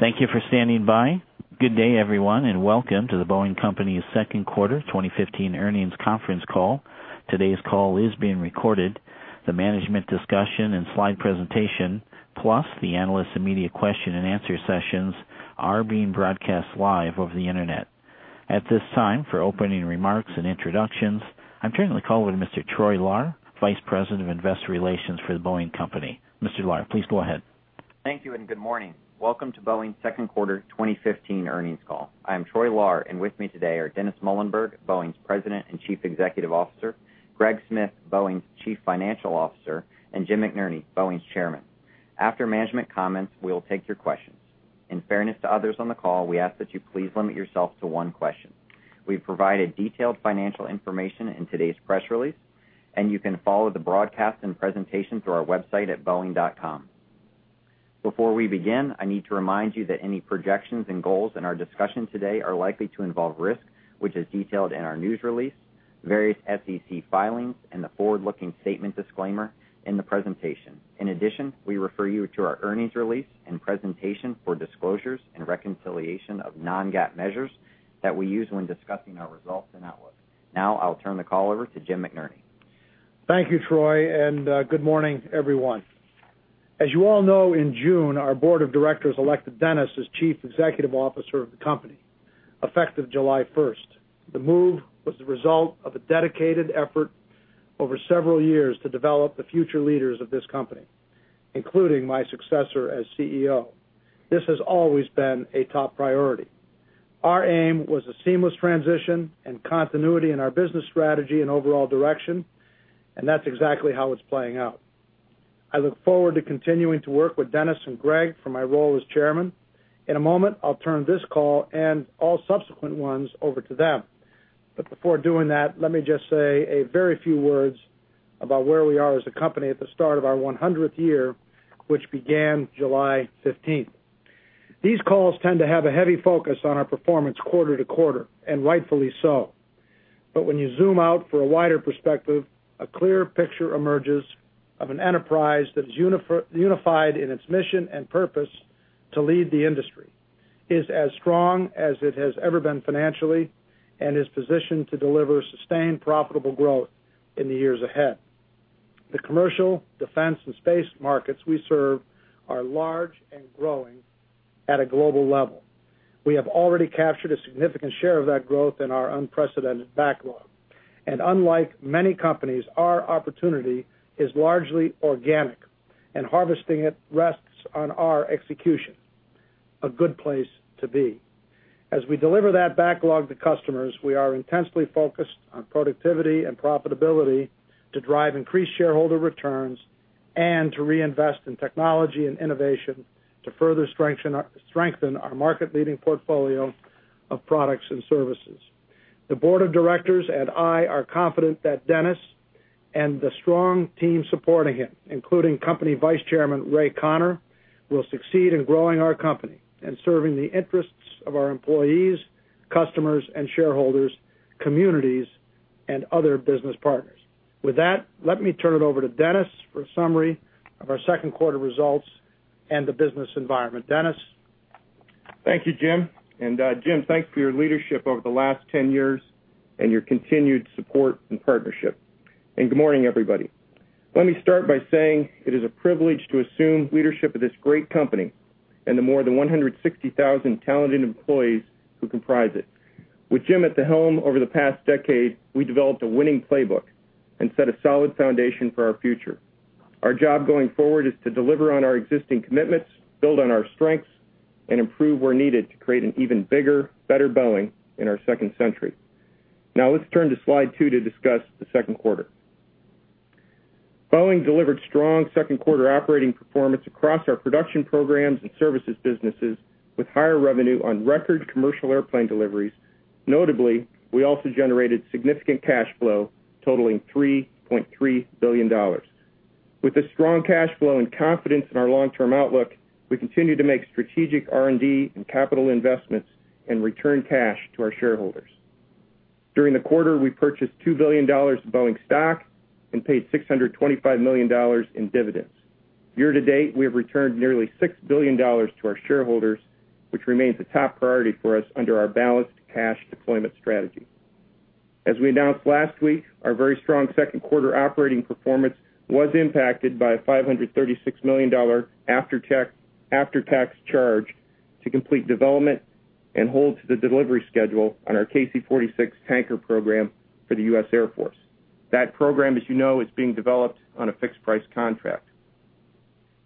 Thank you for standing by. Good day, everyone, and welcome to The Boeing Company's second quarter 2015 earnings conference call. Today's call is being recorded. The management discussion and slide presentation, plus the analyst and media question and answer sessions are being broadcast live over the internet. At this time, for opening remarks and introductions, I'm turning the call over to Mr. Troy Lahr, Vice President of Investor Relations for The Boeing Company. Mr. Lahr, please go ahead. Thank you, and good morning. Welcome to Boeing's second quarter 2015 earnings call. I am Troy Lahr, and with me today are Dennis Muilenburg, Boeing's President and Chief Executive Officer, Greg Smith, Boeing's Chief Financial Officer, and Jim McNerney, Boeing's Chairman. After management comments, we will take your questions. In fairness to others on the call, we ask that you please limit yourself to one question. We've provided detailed financial information in today's press release, and you can follow the broadcast and presentation through our website at boeing.com. Before we begin, I need to remind you that any projections and goals in our discussion today are likely to involve risk, which is detailed in our news release, various SEC filings, and the forward-looking statement disclaimer in the presentation. In addition, we refer you to our earnings release and presentation for disclosures and reconciliation of non-GAAP measures that we use when discussing our results and outlook. Now, I'll turn the call over to Jim McNerney. Thank you, Troy, and good morning, everyone. As you all know, in June, our board of directors elected Dennis as Chief Executive Officer of the company, effective July 1st. The move was the result of a dedicated effort over several years to develop the future leaders of this company, including my successor as CEO. This has always been a top priority. Our aim was a seamless transition and continuity in our business strategy and overall direction, and that's exactly how it's playing out. I look forward to continuing to work with Dennis and Greg for my role as Chairman. In a moment, I'll turn this call and all subsequent ones over to them. Before doing that, let me just say a very few words about where we are as a company at the start of our 100th year, which began July 15th. These calls tend to have a heavy focus on our performance quarter to quarter, rightfully so. When you zoom out for a wider perspective, a clear picture emerges of an enterprise that is unified in its mission and purpose to lead the industry. It is as strong as it has ever been financially and is positioned to deliver sustained profitable growth in the years ahead. The commercial, defense, and space markets we serve are large and growing at a global level. We have already captured a significant share of that growth in our unprecedented backlog. Unlike many companies, our opportunity is largely organic, and harvesting it rests on our execution. A good place to be. As we deliver that backlog to customers, we are intensely focused on productivity and profitability to drive increased shareholder returns and to reinvest in technology and innovation to further strengthen our market-leading portfolio of products and services. The board of directors and I are confident that Dennis and the strong team supporting him, including company Vice Chairman Raymond Conner, will succeed in growing our company and serving the interests of our employees, customers, and shareholders, communities, and other business partners. With that, let me turn it over to Dennis for a summary of our second quarter results and the business environment. Dennis? Thank you, Jim. Jim, thanks for your leadership over the last 10 years and your continued support and partnership. Good morning, everybody. Let me start by saying it is a privilege to assume leadership of this great company and the more than 160,000 talented employees who comprise it. With Jim at the helm over the past decade, we developed a winning playbook and set a solid foundation for our future. Our job going forward is to deliver on our existing commitments, build on our strengths, and improve where needed to create an even bigger, better Boeing in our second century. Now let's turn to slide two to discuss the second quarter. Boeing delivered strong second-quarter operating performance across our production programs and services businesses, with higher revenue on record commercial airplane deliveries. Notably, we also generated significant cash flow totaling $3.3 billion. With the strong cash flow and confidence in our long-term outlook, we continue to make strategic R&D and capital investments and return cash to our shareholders. During the quarter, we purchased $2 billion of Boeing stock and paid $625 million in dividends. Year to date, we have returned nearly $6 billion to our shareholders, which remains a top priority for us under our balanced cash deployment strategy. As we announced last week, our very strong second-quarter operating performance was impacted by a $536 million after-tax charge to complete development and hold to the delivery schedule on our KC-46 tanker program for the U.S. Air Force. That program, as you know, is being developed on a fixed-price contract.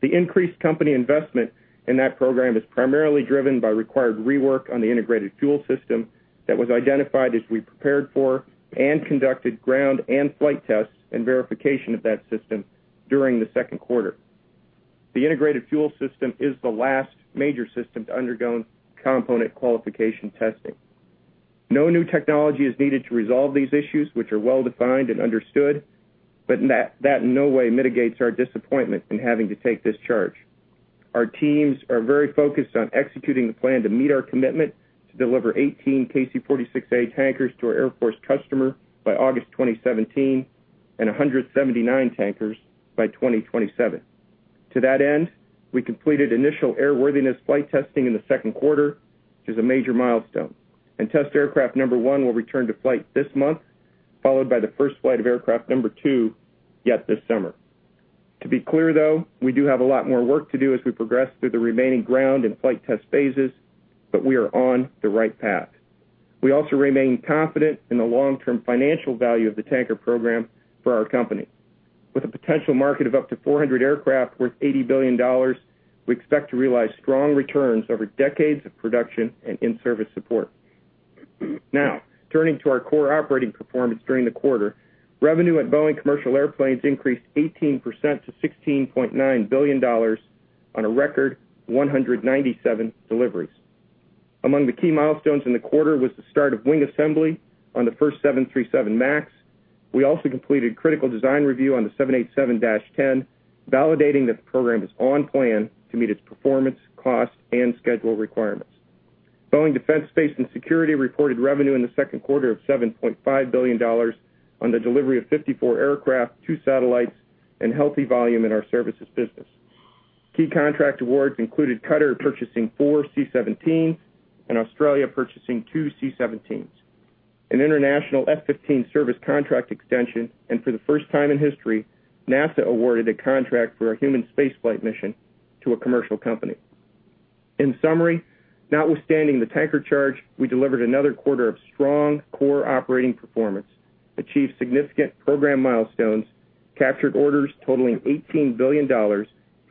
The increased company investment in that program is primarily driven by required rework on the integrated fuel system that was identified as we prepared for and conducted ground and flight tests and verification of that system during the second quarter. The integrated fuel system is the last major system to undergo component qualification testing. No new technology is needed to resolve these issues, which are well-defined and understood, but that in no way mitigates our disappointment in having to take this charge. Our teams are very focused on executing the plan to meet our commitment to deliver 18 KC-46A tankers to our Air Force customer by August 2017. 179 tankers by 2027. To that end, we completed initial airworthiness flight testing in the second quarter, which is a major milestone, and test aircraft number 1 will return to flight this month, followed by the first flight of aircraft number 2 yet this summer. To be clear, though, we do have a lot more work to do as we progress through the remaining ground and flight test phases, but we are on the right path. We also remain confident in the long-term financial value of the tanker program for our company. With a potential market of up to 400 aircraft worth $80 billion, we expect to realize strong returns over decades of production and in-service support. Turning to our core operating performance during the quarter, revenue at Boeing Commercial Airplanes increased 18% to $16.9 billion on a record 197 deliveries. Among the key milestones in the quarter was the start of wing assembly on the first 737 MAX. We also completed critical design review on the 787-10, validating that the program is on plan to meet its performance, cost, and schedule requirements. Boeing Defense, Space & Security reported revenue in the second quarter of $7.5 billion on the delivery of 54 aircraft, two satellites, and healthy volume in our services business. Key contract awards included Qatar purchasing four C-17s and Australia purchasing two C-17s, an international F-15 service contract extension, and for the first time in history, NASA awarded a contract for a human space flight mission to a commercial company. Notwithstanding the tanker charge, we delivered another quarter of strong core operating performance, achieved significant program milestones, captured orders totaling $18 billion,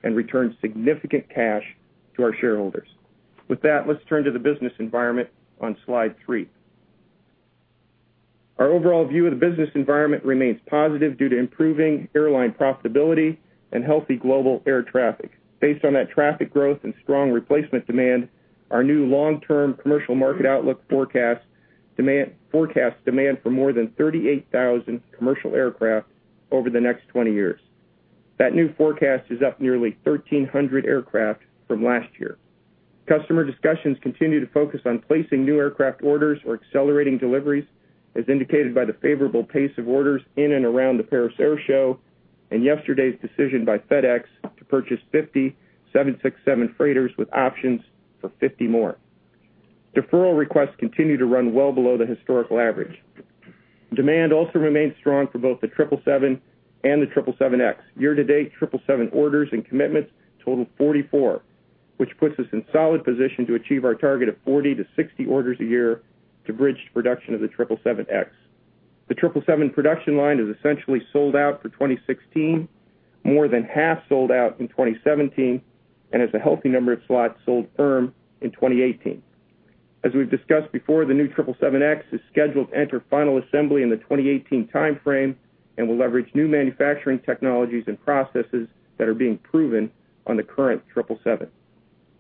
and returned significant cash to our shareholders. Let's turn to the business environment on Slide three. Our overall view of the business environment remains positive due to improving airline profitability and healthy global air traffic. Based on that traffic growth and strong replacement demand, our new long-term commercial market outlook forecasts demand for more than 38,000 commercial aircraft over the next 20 years. That new forecast is up nearly 1,300 aircraft from last year. Customer discussions continue to focus on placing new aircraft orders or accelerating deliveries, as indicated by the favorable pace of orders in and around the Paris Air Show, and yesterday's decision by FedEx to purchase 50 767 freighters with options for 50 more. Deferral requests continue to run well below the historical average. Demand also remains strong for both the 777 and the 777X. Year-to-date, 777 orders and commitments total 44, which puts us in solid position to achieve our target of 40 to 60 orders a year to bridge production of the 777X. The 777 production line is essentially sold out for 2016, more than half sold out in 2017, and has a healthy number of slots sold firm in 2018. As we've discussed before, the new 777X is scheduled to enter final assembly in the 2018 timeframe and will leverage new manufacturing technologies and processes that are being proven on the current 777.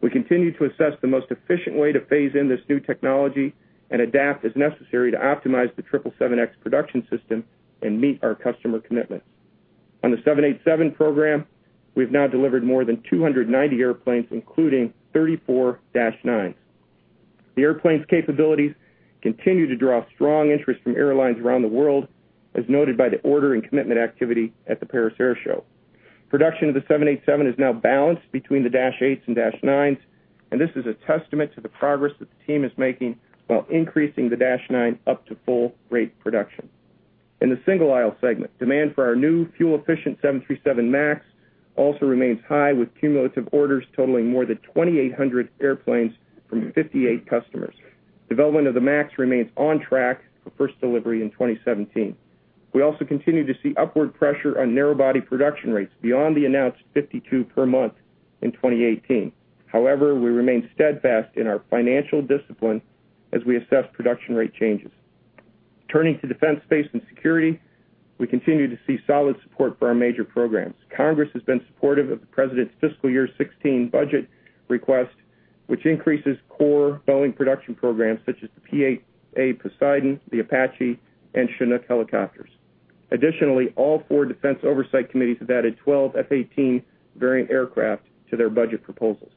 We continue to assess the most efficient way to phase in this new technology and adapt as necessary to optimize the 777X production system and meet our customer commitments. On the 787 program, we've now delivered more than 290 airplanes, including 34-9s. The airplane's capabilities continue to draw strong interest from airlines around the world, as noted by the order and commitment activity at the Paris Air Show. Production of the 787 is now balanced between the dash eights and dash nines, this is a testament to the progress that the team is making while increasing the dash nine up to full rate production. In the single-aisle segment, demand for our new, fuel-efficient 737 MAX also remains high, with cumulative orders totaling more than 2,800 airplanes from 58 customers. Development of the MAX remains on track for first delivery in 2017. We also continue to see upward pressure on narrow body production rates beyond the announced 52 per month in 2018. However, we remain steadfast in our financial discipline as we assess production rate changes. Turning to Defense, Space, and Security, we continue to see solid support for our major programs. Congress has been supportive of the President's fiscal year 2016 budget request, which increases core Boeing production programs such as the P-8A Poseidon, the Apache, and Chinook helicopters. Additionally, all four defense oversight committees have added 12 F-18 variant aircraft to their budget proposals.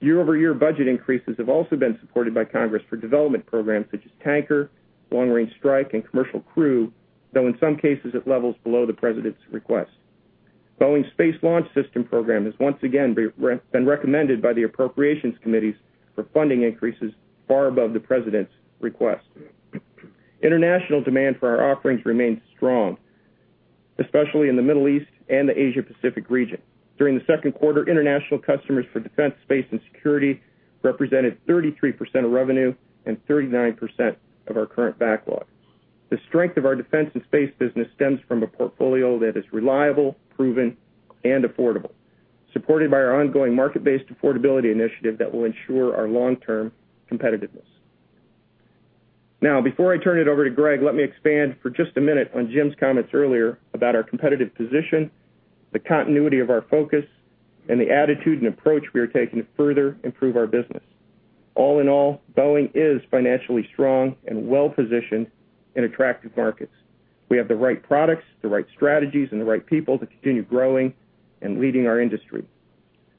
Year-over-year budget increases have also been supported by Congress for development programs such as Tanker, Long Range Strike, and Commercial Crew, though in some cases at levels below the President's request. Boeing's Space Launch System program has once again been recommended by the Appropriations Committees for funding increases far above the President's request. International demand for our offerings remains strong, especially in the Middle East and the Asia-Pacific region. During the second quarter, international customers for Defense, Space, and Security represented 33% of revenue and 39% of our current backlog. The strength of our defense and space business stems from a portfolio that is reliable, proven, and affordable, supported by our ongoing market-based affordability initiative that will ensure our long-term competitiveness. Now, before I turn it over to Greg, let me expand for just a minute on Jim's comments earlier about our competitive position, the continuity of our focus, and the attitude and approach we are taking to further improve our business. All in all, Boeing is financially strong and well-positioned in attractive markets. We have the right products, the right strategies, and the right people to continue growing and leading our industry.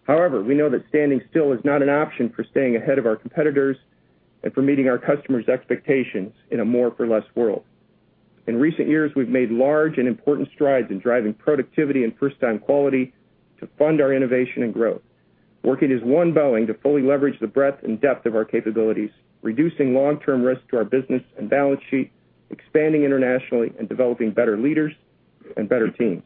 However, we know that standing still is not an option for staying ahead of our competitors and for meeting our customers' expectations in a more for less world. In recent years, we've made large and important strides in driving productivity and first-time quality to fund our innovation and growth, working as one Boeing to fully leverage the breadth and depth of our capabilities, reducing long-term risk to our business and balance sheet, expanding internationally, and developing better leaders and better teams.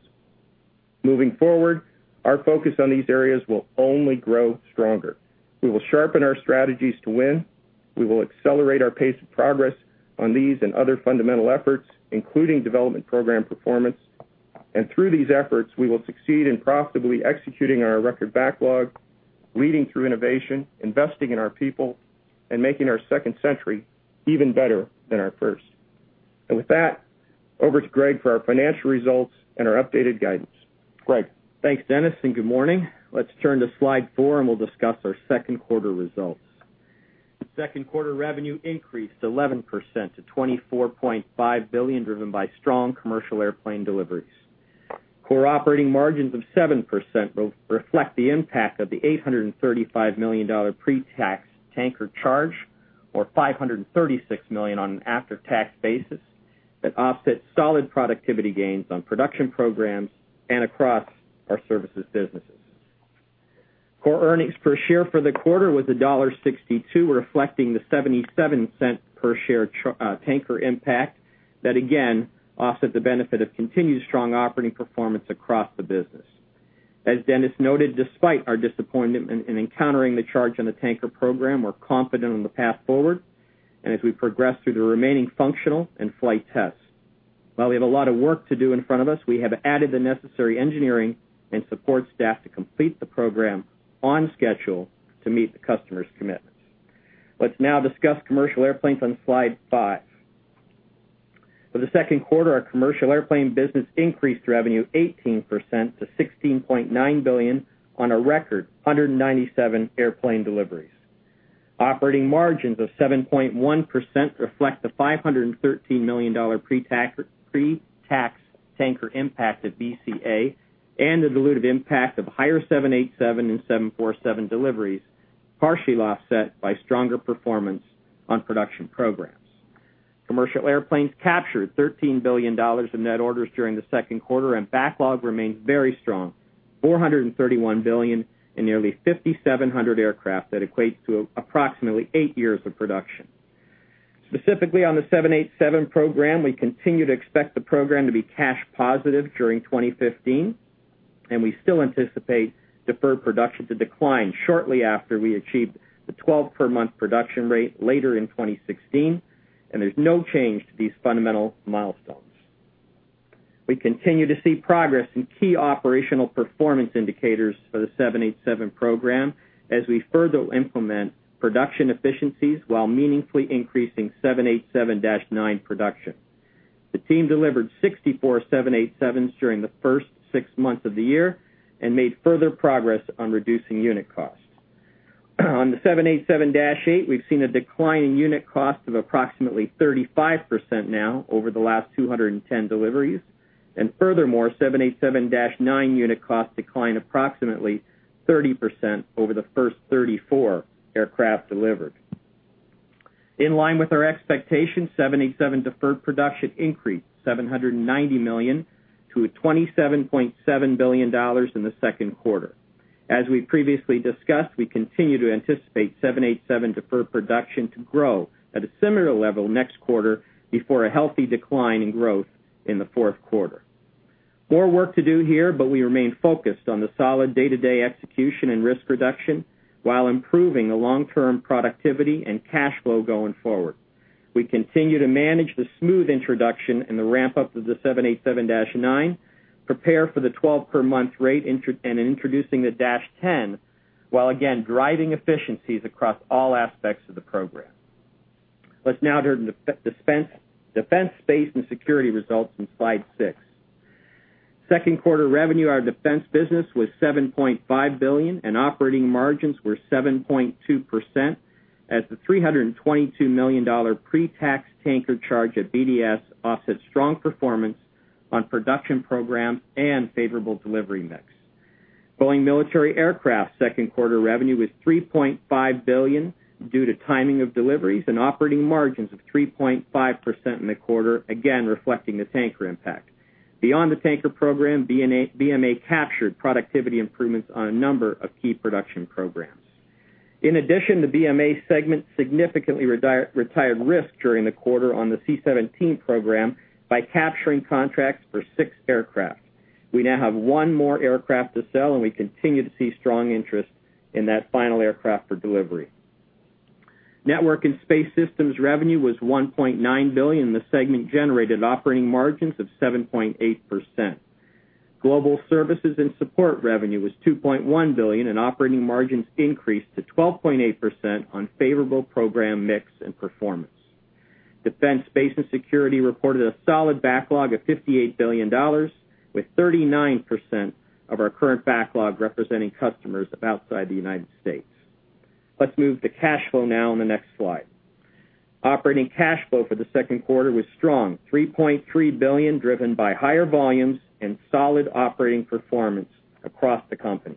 Moving forward, our focus on these areas will only grow stronger. We will sharpen our strategies to win. We will accelerate our pace of progress on these and other fundamental efforts, including development program performance. Through these efforts, we will succeed in profitably executing our record backlog, leading through innovation, investing in our people, and making our second century even better than our first. With that, over to Greg for our financial results and our updated guidance. Greg. Thanks, Dennis, and good morning. Let's turn to slide four, and we'll discuss our second quarter results. Second quarter revenue increased 11% to $24.5 billion, driven by strong commercial airplane deliveries. Core operating margins of 7% reflect the impact of the $835 million pre-tax tanker charge, or $536 million on an after-tax basis, that offset solid productivity gains on production programs and across our services businesses. Core earnings per share for the quarter was $1.62, reflecting the $0.77 per share tanker impact that again offset the benefit of continued strong operating performance across the business. As Dennis noted, despite our disappointment in encountering the charge on the tanker program, we're confident in the path forward and as we progress through the remaining functional and flight tests. While we have a lot of work to do in front of us, we have added the necessary engineering and support staff to complete the program on schedule to meet the customer's commitments. Let's now discuss commercial airplanes on slide five. For the second quarter, our commercial airplane business increased revenue 18% to $16.9 billion on a record 197 airplane deliveries. Operating margins of 7.1% reflect the $513 million pre-tax tanker impact at BCA and the dilutive impact of higher 787 and 747 deliveries, partially offset by stronger performance on production programs. Commercial airplanes captured $13 billion of net orders during the second quarter, and backlog remains very strong, $431 billion and nearly 5,700 aircraft. That equates to approximately eight years of production. Specifically, on the 787 program, we continue to expect the program to be cash positive during 2015. We still anticipate deferred production to decline shortly after we achieve the 12 per month production rate later in 2016. There's no change to these fundamental milestones. We continue to see progress in key operational performance indicators for the 787 program as we further implement production efficiencies while meaningfully increasing 787-9 production. The team delivered 64 787s during the first six months of the year and made further progress on reducing unit costs. On the 787-8, we've seen a decline in unit cost of approximately 35% now over the last 210 deliveries. Furthermore, 787-9 unit cost decline approximately 30% over the first 34 aircraft delivered. In line with our expectations, 787 deferred production increased $790 million to $27.7 billion in the second quarter. As we previously discussed, we continue to anticipate 787 deferred production to grow at a similar level next quarter before a healthy decline in growth in the fourth quarter. More work to do here, but we remain focused on the solid day-to-day execution and risk reduction while improving the long-term productivity and cash flow going forward. We continue to manage the smooth introduction and the ramp-up of the 787-9, prepare for the 12 per month rate, and introducing the-10, while again, driving efficiencies across all aspects of the program. Let's now turn to Defense, Space, and Security results on slide six. Second quarter revenue, our defense business was $7.5 billion, and operating margins were 7.2% as the $322 million pre-tax tanker charge at BDS offset strong performance on production programs and favorable delivery mix. Boeing Military Aircraft second-quarter revenue was $3.5 billion due to timing of deliveries and operating margins of 3.5% in the quarter, again reflecting the tanker impact. Beyond the tanker program, BMA captured productivity improvements on a number of key production programs. In addition, the BMA segment significantly retired risk during the quarter on the C-17 program by capturing contracts for six aircraft. We now have one more aircraft to sell, and we continue to see strong interest in that final aircraft for delivery. Network and Space Systems revenue was $1.9 billion. The segment generated operating margins of 7.8%. Global Services and Support revenue was $2.1 billion, and operating margins increased to 12.8% on favorable program mix and performance. Defense, Space, and Security reported a solid backlog of $58 billion, with 39% of our current backlog representing customers outside the United States. Let's move to cash flow now on the next slide. Operating cash flow for the second quarter was strong, $3.3 billion, driven by higher volumes and solid operating performance across the company.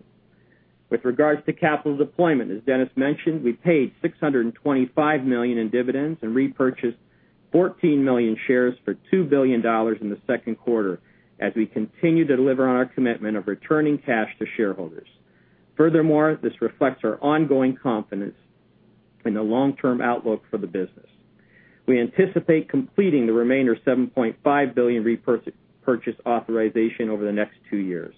With regards to capital deployment, as Dennis mentioned, we paid $625 million in dividends and repurchased 14 million shares for $2 billion in the second quarter as we continue to deliver on our commitment of returning cash to shareholders. Furthermore, this reflects our ongoing confidence in the long-term outlook for the business. We anticipate completing the remainder of $7.5 billion repurchase authorization over the next two years.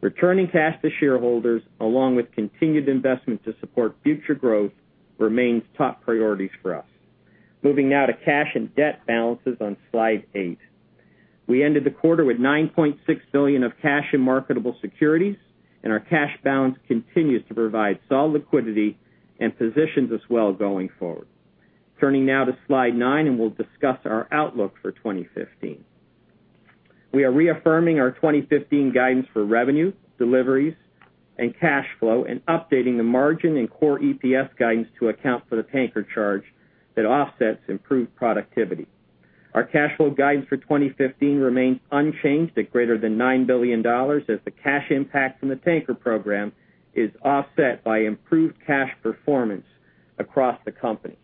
Returning cash to shareholders, along with continued investment to support future growth remains top priorities for us. Moving now to cash and debt balances on slide eight. We ended the quarter with $9.6 billion of cash in marketable securities. Our cash balance continues to provide solid liquidity and positions us well going forward. Turning now to slide nine, we'll discuss our outlook for 2015. We are reaffirming our 2015 guidance for revenue, deliveries, and cash flow, updating the margin and core EPS guidance to account for the tanker charge that offsets improved productivity. Our cash flow guidance for 2015 remains unchanged at greater than $9 billion, as the cash impact from the tanker program is offset by improved cash performance across the company.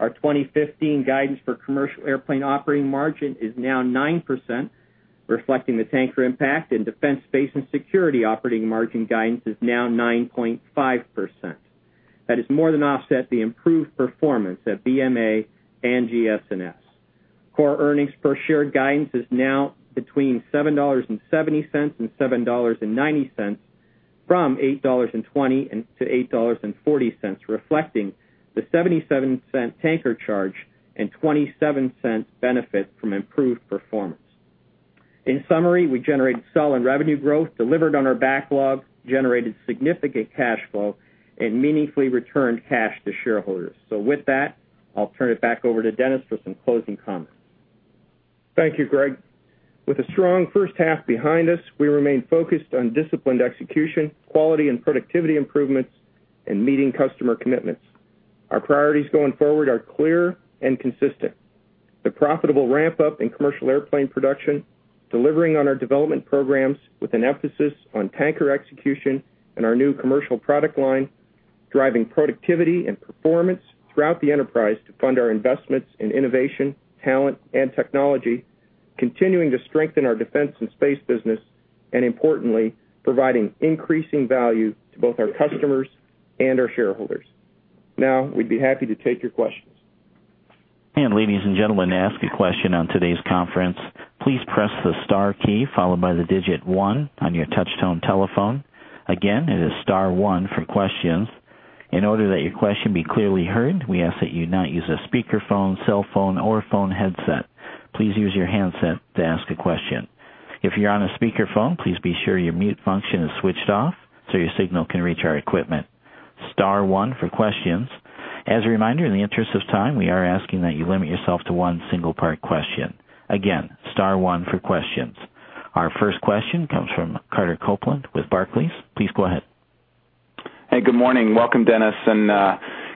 Our 2015 guidance for Commercial Airplanes operating margin is now 9%, reflecting the tanker impact, and Defense, Space, and Security operating margin guidance is now 9.5%. That has more than offset the improved performance at BMA and GS&S. Core earnings per share guidance is now between $7.70 and $7.90 from $8.20 to $8.40, reflecting the $0.77 tanker charge and $0.27 benefit from improved performance. In summary, we generated solid revenue growth, delivered on our backlog, generated significant cash flow, and meaningfully returned cash to shareholders. With that, I'll turn it back over to Dennis for some closing comments. Thank you, Greg. With a strong first half behind us, we remain focused on disciplined execution, quality and productivity improvements, and meeting customer commitments. Our priorities going forward are clear and consistent. The profitable ramp-up in commercial airplane production, delivering on our development programs with an emphasis on tanker execution and our new commercial product line, driving productivity and performance throughout the enterprise to fund our investments in innovation, talent, and technology, continuing to strengthen our defense and space business, and importantly, providing increasing value to both our customers and our shareholders. We'd be happy to take your questions. Ladies and gentlemen, to ask a question on today's conference, please press the star key followed by the digit one on your touch-tone telephone. Again, it is star one for questions. In order that your question be clearly heard, we ask that you not use a speakerphone, cell phone, or phone headset. Please use your handset to ask a question. If you're on a speakerphone, please be sure your mute function is switched off so your signal can reach our equipment. Star one for questions. As a reminder, in the interest of time, we are asking that you limit yourself to one single part question. Again, star one for questions. Our first question comes from Carter Copeland with Barclays. Please go ahead. Hey, good morning. Welcome, Dennis.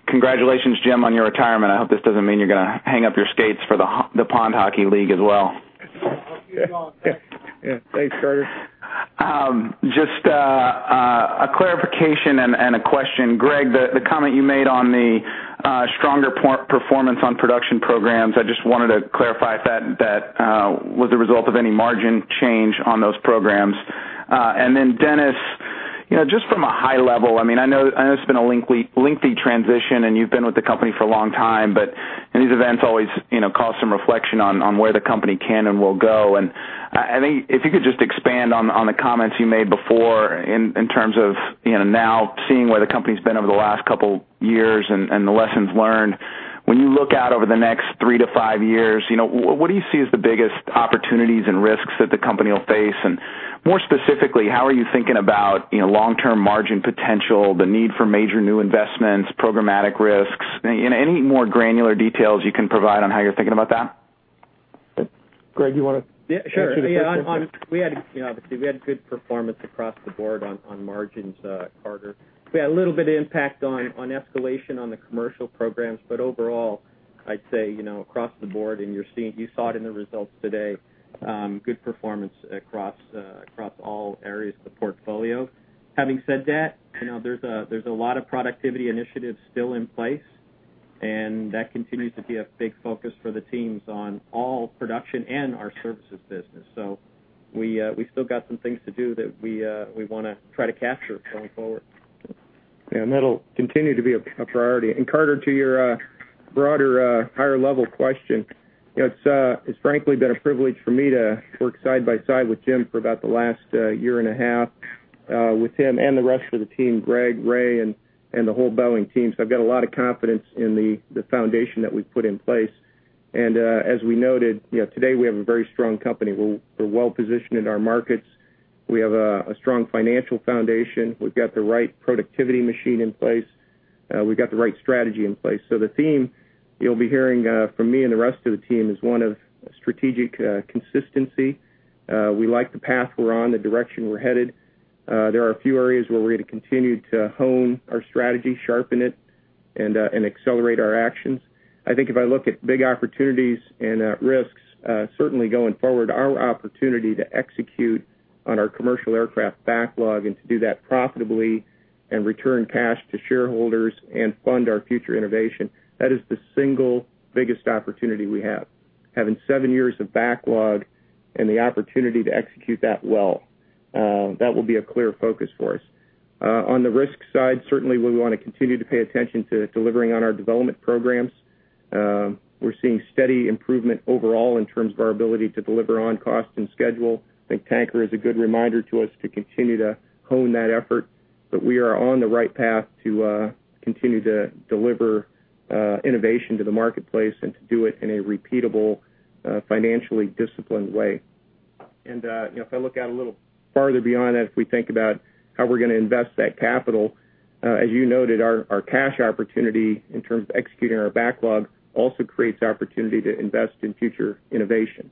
Congratulations, Jim, on your retirement. I hope this doesn't mean you're going to hang up your skates for the pond hockey league as well. Yeah. Thanks, Carter. Just a clarification and a question. Greg, the comment you made on the stronger performance on production programs, I just wanted to clarify if that was the result of any margin change on those programs. Dennis, just from a high level, I know it's been a lengthy transition, and you've been with the company for a long time, but these events always cause some reflection on where the company can and will go. I think if you could just expand on the comments you made before in terms of now seeing where the company's been over the last couple years and the lessons learned. When you look out over the next three to five years, what do you see as the biggest opportunities and risks that the company will face? More specifically, how are you thinking about long-term margin potential, the need for major new investments, programmatic risks, any more granular details you can provide on how you're thinking about that? Greg, you want to. Sure. Obviously, we had good performance across the board on margins, Carter. We had a little bit of impact on escalation on the commercial programs. Overall, I'd say, across the board, and you saw it in the results today, good performance across all areas of the portfolio. Having said that, there's a lot of productivity initiatives still in place, and that continues to be a big focus for the teams on all production and our services business. We still got some things to do that we want to try to capture going forward. That'll continue to be a priority. Carter, to your broader, higher-level question, it's frankly been a privilege for me to work side by side with Jim for about the last year and a half, with him and the rest of the team, Greg, Ray, and the whole Boeing team. I've got a lot of confidence in the foundation that we've put in place. As we noted, today we have a very strong company. We're well-positioned in our markets. We have a strong financial foundation. We've got the right productivity machine in place. We've got the right strategy in place. The theme you'll be hearing from me and the rest of the team is one of strategic consistency. We like the path we're on, the direction we're headed. There are a few areas where we're going to continue to hone our strategy, sharpen it, and accelerate our actions. I think if I look at big opportunities and at risks, certainly going forward, our opportunity to execute on our commercial aircraft backlog and to do that profitably and return cash to shareholders and fund our future innovation, that is the single biggest opportunity we have. Having seven years of backlog and the opportunity to execute that well, that will be a clear focus for us. On the risk side, certainly we want to continue to pay attention to delivering on our development programs. We're seeing steady improvement overall in terms of our ability to deliver on cost and schedule. I think Tanker is a good reminder to us to continue to hone that effort. We are on the right path to continue to deliver innovation to the marketplace and to do it in a repeatable, financially disciplined way. If I look out a little farther beyond that, if we think about how we're going to invest that capital, as you noted, our cash opportunity in terms of executing our backlog also creates the opportunity to invest in future innovation.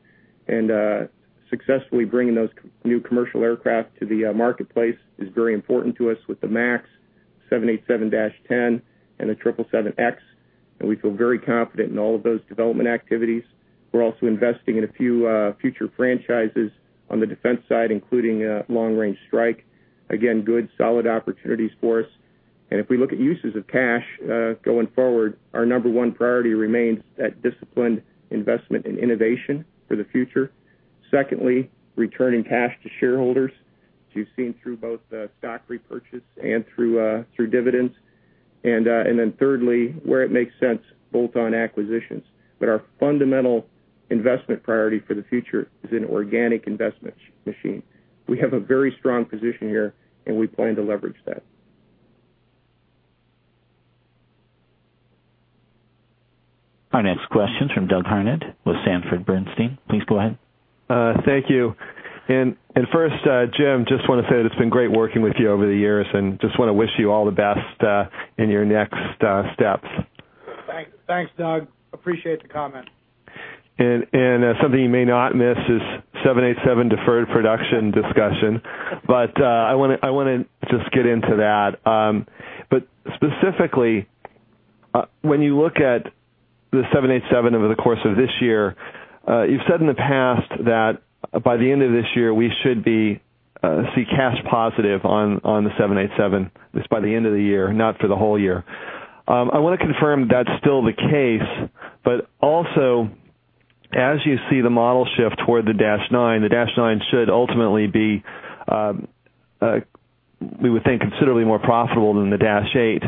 Successfully bringing those new commercial aircraft to the marketplace is very important to us with the MAX 787-10 and the 777X, and we feel very confident in all of those development activities. We're also investing in a few future franchises on the defense side, including Long Range Strike. Again, good solid opportunities for us. If we look at uses of cash going forward, our number one priority remains that disciplined investment in innovation for the future. Secondly, returning cash to shareholders, as you've seen through both stock repurchase and through dividends. Thirdly, where it makes sense, bolt-on acquisitions. Our fundamental investment priority for the future is an organic investment machine. We have a very strong position here, and we plan to leverage that. Our next question's from Doug Harned with Sanford Bernstein. Please go ahead. Thank you. First, Jim, just want to say that it's been great working with you over the years, and just want to wish you all the best in your next steps. Thanks, Doug. Appreciate the comment. Something you may not miss is 787 deferred production discussion. I want to just get into that. Specifically, when you look at the 787 over the course of this year, you've said in the past that by the end of this year, we should see cash positive on the 787. Just by the end of the year, not for the whole year. I want to confirm that's still the case, also as you see the model shift toward the Dash Nine, the Dash Nine should ultimately be, we would think, considerably more profitable than the Dash Eight.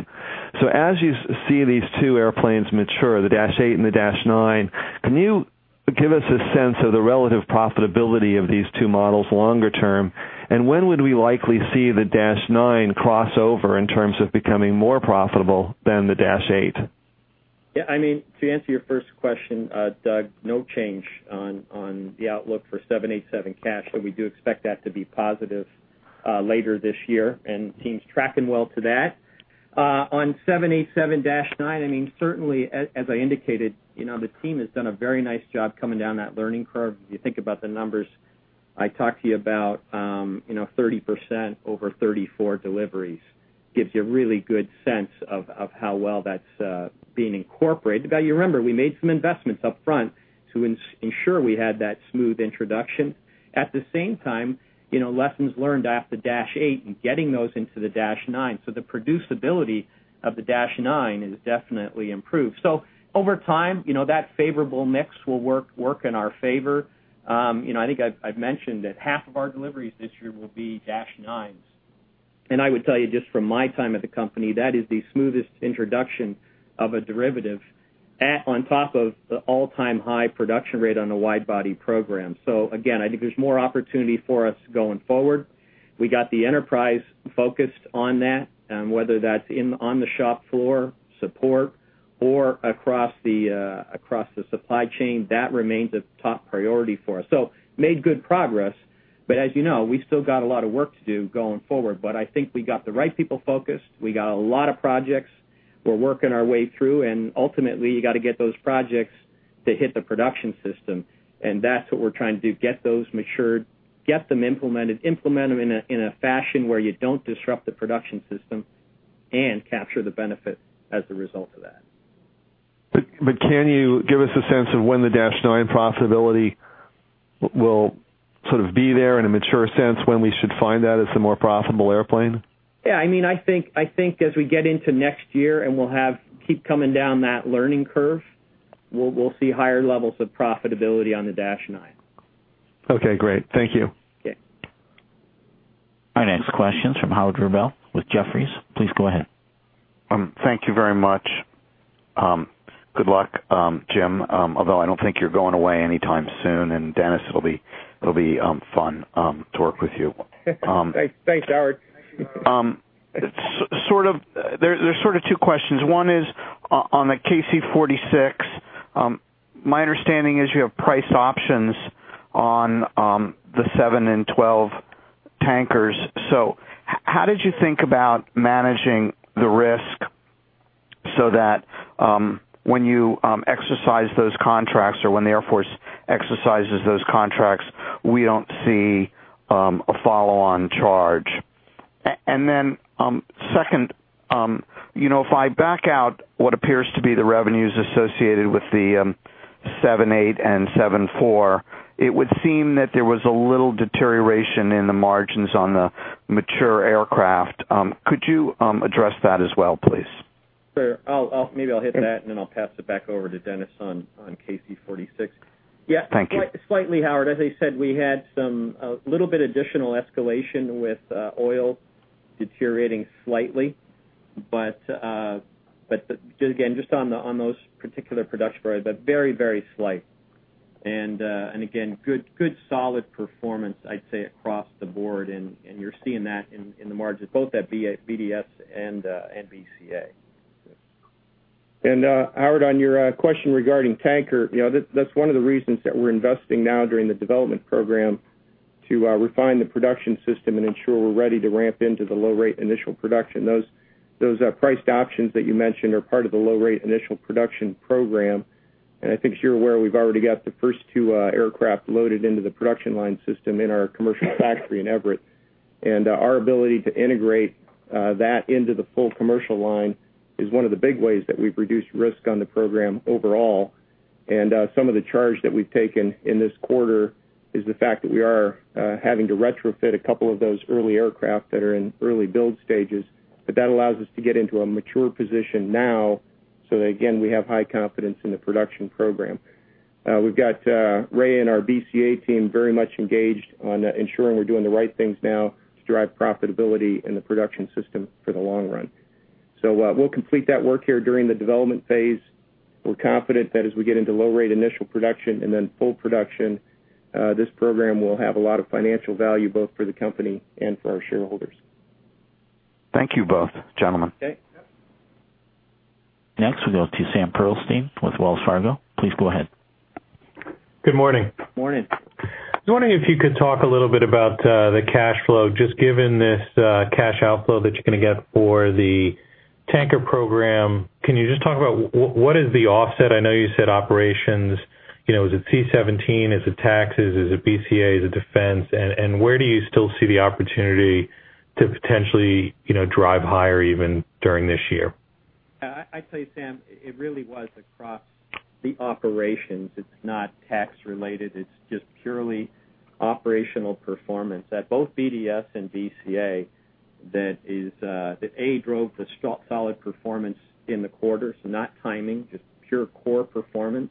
As you see these two airplanes mature, the Dash Eight and the Dash Nine, can you give us a sense of the relative profitability of these two models longer term? When would we likely see the Dash Nine cross over in terms of becoming more profitable than the Dash Eight? To answer your first question, Doug, no change on the outlook for 787 cash. We do expect that to be positive later this year, and the team's tracking well to that. On 787 Dash Nine, certainly, as I indicated, the team has done a very nice job coming down that learning curve. If you think about the numbers I talked to you about, 30% over 34 deliveries gives you a really good sense of how well that's being incorporated. You remember, we made some investments upfront to ensure we had that smooth introduction. At the same time, lessons learned off the Dash Eight and getting those into the Dash Nine, the producibility of the Dash Nine is definitely improved. Over time, that favorable mix will work in our favor. I think I've mentioned that half of our deliveries this year will be Dash Nines. I would tell you just from my time at the company, that is the smoothest introduction of a derivative on top of the all-time high production rate on a wide-body program. Again, I think there's more opportunity for us going forward. We got the enterprise focused on that, whether that's on the shop floor support or across the supply chain. That remains a top priority for us. Made good progress, as you know, we've still got a lot of work to do going forward. I think we got the right people focused. We got a lot of projects we're working our way through. Ultimately, you got to get those projects to hit the production system. That's what we're trying to do, get those matured, get them implemented, implement them in a fashion where you don't disrupt the production system, capture the benefit as a result of that. Can you give us a sense of when the Dash Nine profitability will sort of be there in a mature sense, when we should find that it's a more profitable airplane? Yeah. I think as we get into next year, we'll keep coming down that learning curve, we'll see higher levels of profitability on the Dash Nine. Okay, great. Thank you. Okay. Our next question's from Howard Rubel with Jefferies. Please go ahead. Thank you very much. Good luck, Jim, although I don't think you're going away anytime soon. Dennis, it'll be fun to work with you. Thanks, Howard. There's sort of two questions. One is on the KC-46. My understanding is you have price options on the seven and 12 tankers. How did you think about managing the risk That when you exercise those contracts or when the Air Force exercises those contracts, we don't see a follow-on charge. Then, second, if I back out what appears to be the revenues associated with the 787 and 747, it would seem that there was a little deterioration in the margins on the mature aircraft. Could you address that as well, please? Sure. Maybe I'll hit that, then I'll pass it back over to Dennis on KC-46. Thank you. Yeah. Slightly, Howard. As I said, we had a little bit additional escalation with oil deteriorating slightly. Again, just on those particular production varieties, but very slight. Again, good, solid performance, I'd say, across the board. You're seeing that in the margins both at BDS and BCA. Howard, on your question regarding Tanker, that's one of the reasons that we're investing now during the development program to refine the production system and ensure we're ready to ramp into the low-rate initial production. Those priced options that you mentioned are part of the low-rate initial production program. I think as you're aware, we've already got the first two aircraft loaded into the production line system in our commercial factory in Everett. Our ability to integrate that into the full commercial line is one of the big ways that we've reduced risk on the program overall. Some of the charge that we've taken in this quarter is the fact that we are having to retrofit a couple of those early aircraft that are in early build stages. That allows us to get into a mature position now, so that, again, we have high confidence in the production program. We've got Ray and our BCA team very much engaged on ensuring we're doing the right things now to drive profitability in the production system for the long run. We'll complete that work here during the development phase. We're confident that as we get into low-rate initial production and then full production, this program will have a lot of financial value, both for the company and for our shareholders. Thank you both, gentlemen. Okay. Yep. Next, we go to Sam Pearlstein with Wells Fargo. Please go ahead. Good morning. Morning. I was wondering if you could talk a little bit about the cash flow, just given this cash outflow that you're going to get for the Tanker program. Can you just talk about what is the offset? I know you said operations. Is it C-17? Is it taxes? Is it BCA? Is it defense? Where do you still see the opportunity to potentially drive higher even during this year? I tell you, Sam, it really was across the operations. It's not tax related. It's just purely operational performance at both BDS and BCA. That, A, drove the solid performance in the quarter. Not timing, just pure core performance.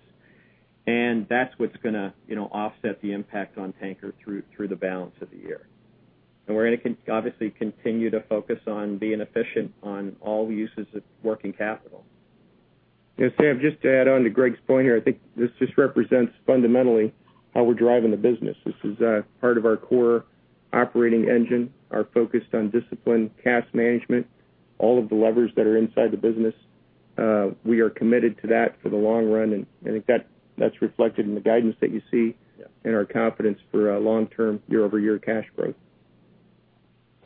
That's what's going to offset the impact on Tanker through the balance of the year. We're going to obviously continue to focus on being efficient on all uses of working capital. Yeah, Sam, just to add on to Greg's point here, I think this just represents fundamentally how we're driving the business. This is part of our core operating engine, our focus on disciplined cash management, all of the levers that are inside the business. We are committed to that for the long run, I think that's reflected in the guidance that you see in our confidence for long-term, year-over-year cash growth.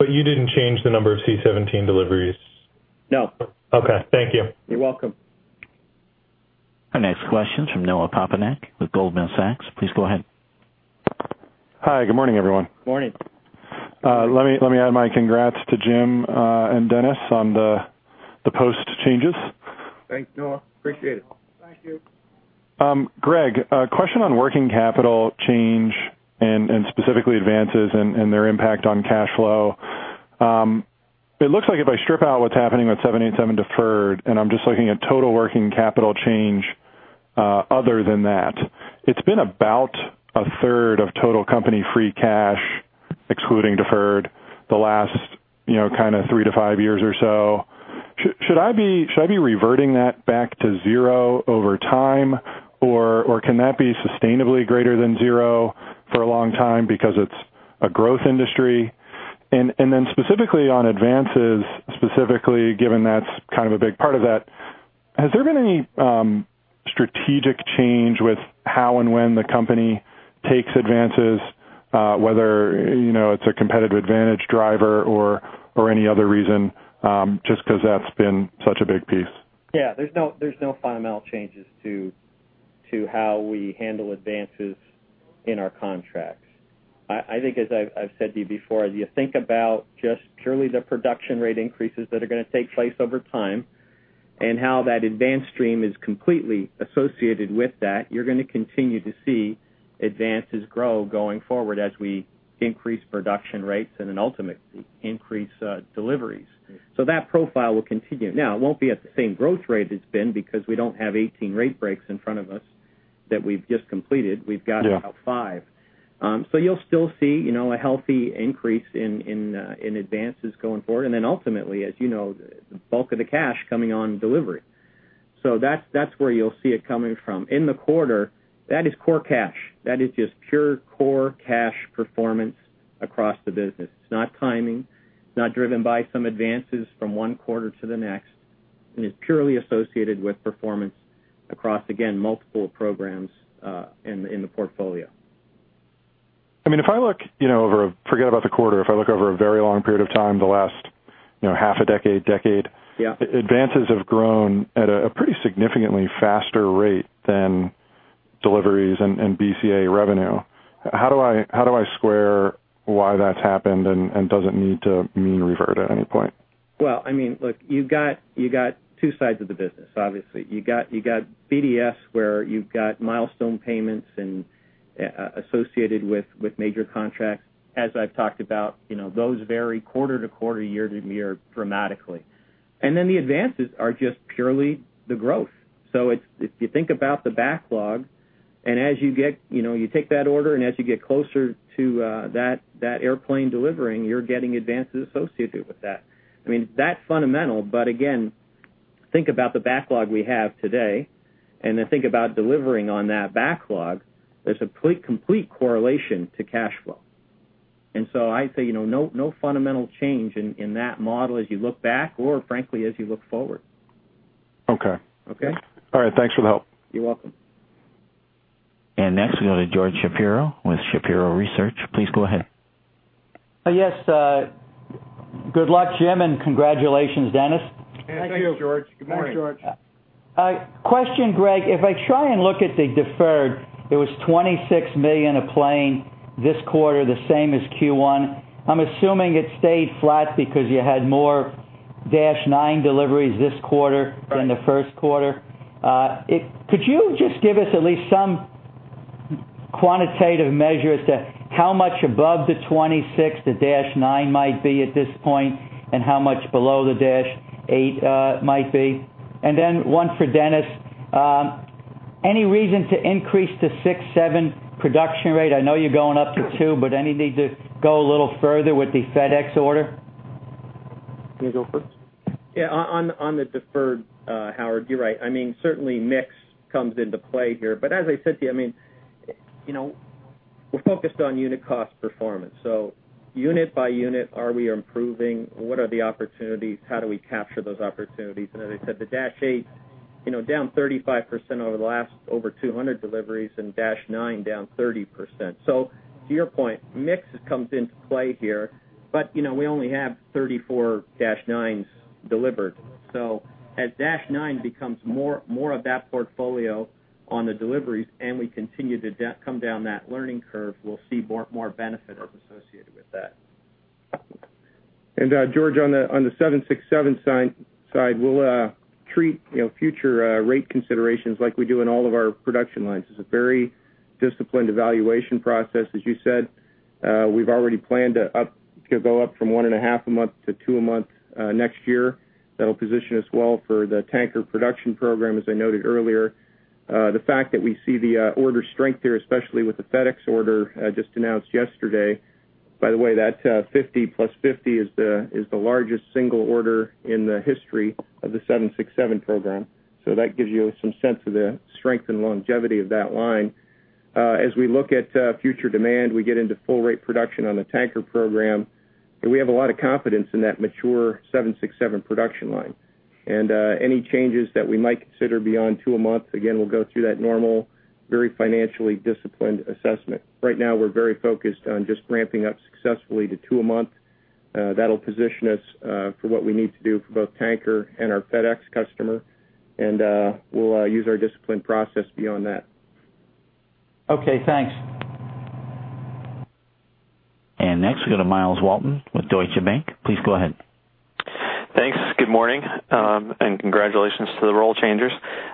You didn't change the number of C-17 deliveries? No. Okay. Thank you. You're welcome. Our next question's from Noah Poponak with Goldman Sachs. Please go ahead. Hi. Good morning, everyone. Morning. Let me add my congrats to Jim and Dennis on the post changes. Thanks, Noah. Appreciate it. Thank you. Greg, a question on working capital change and specifically advances and their impact on cash flow. It looks like if I strip out what's happening with 787 deferred, and I'm just looking at total working capital change other than that. It's been about a third of total company free cash, excluding deferred, the last kind of three to five years or so. Should I be reverting that back to zero over time, or can that be sustainably greater than zero for a long time because it's a growth industry? Specifically on advances, specifically given that's kind of a big part of that, has there been any strategic change with how and when the company takes advances, whether it's a competitive advantage driver or any other reason? Just because that's been such a big piece. Yeah. There's no fundamental changes to how we handle advances in our contracts. I think, as I've said to you before, as you think about just purely the production rate increases that are going to take place over time and how that advance stream is completely associated with that, you're going to continue to see advances grow going forward as we increase production rates and then ultimately increase deliveries. That profile will continue. Now, it won't be at the same growth rate it's been because we don't have 18 rate breaks in front of us that we've just completed. We've got about five. Yeah. You'll still see a healthy increase in advances going forward. Ultimately, as you know, the bulk of the cash coming on delivery. That's where you'll see it coming from. In the quarter, that is core cash. That is just pure core cash performance across the business. It's not timing. It's not driven by some advances from one quarter to the next, and is purely associated with performance across, again, multiple programs in the portfolio. If I look over, forget about the quarter, if I look over a very long period of time, the last half a decade. Yeah. Advances have grown at a pretty significantly faster rate than deliveries and BCA revenue. How do I square why that's happened, and does it need to mean revert at any point? Well, look, you've got two sides of the business. Obviously, you've got BDS where you've got milestone payments associated with major contracts. As I've talked about, those vary quarter to quarter, year to year dramatically. The advances are just purely the growth. If you think about the backlog, as you take that order, as you get closer to that airplane delivering, you're getting advances associated with that. That's fundamental, but again, think about the backlog we have today then think about delivering on that backlog. There's a complete correlation to cash flow. I'd say, no fundamental change in that model as you look back or frankly, as you look forward. Okay. Okay? All right. Thanks for the help. You're welcome. Next we go to George Shapiro with Shapiro Research. Please go ahead. Yes. Good luck, Jim, and congratulations, Dennis. Thank you. Thank you, George. Good morning. Thanks, George. Question, Greg. If I try and look at the deferred, it was $26 million a plane this quarter, the same as Q1. I'm assuming it stayed flat because you had more Dash 9 deliveries this quarter than the first quarter. Could you just give us at least some quantitative measure as to how much above the 26 the Dash 9 might be at this point, and how much below the Dash 8 might be? Then one for Dennis, any reason to increase the 767 production rate? I know you're going up to two, but any need to go a little further with the FedEx order? You want me to go first? Yeah, on the deferred, Howard, you're right. Certainly mix comes into play here. As I said to you, we're focused on unit cost performance. Unit by unit, are we improving? What are the opportunities? How do we capture those opportunities? As I said, the Dash 8, down 35% over the last over 200 deliveries, and Dash 9 down 30%. To your point, mix comes into play here. We only have 34 Dash 9s delivered. As Dash 9 becomes more of that portfolio on the deliveries, and we continue to come down that learning curve, we'll see more benefit associated with that. George, on the 767 side, we'll treat future rate considerations like we do in all of our production lines. It's a very disciplined evaluation process as you said. We've already planned to go up from one and a half a month to two a month, next year. That'll position us well for the tanker production program, as I noted earlier. The fact that we see the order strength here, especially with the FedEx order just announced yesterday. By the way, that 50 plus 50 is the largest single order in the history of the 767 program. That gives you some sense of the strength and longevity of that line. As we look at future demand, we get into full rate production on the tanker program, and we have a lot of confidence in that mature 767 production line. Any changes that we might consider beyond two a month, again, we'll go through that normal, very financially disciplined assessment. Right now, we're very focused on just ramping up successfully to two a month. That'll position us for what we need to do for both tanker and our FedEx customer. We'll use our disciplined process beyond that. Okay, thanks. Next we go to Myles Walton with Deutsche Bank. Please go ahead. Thanks. Good morning, and congratulations to the role changers.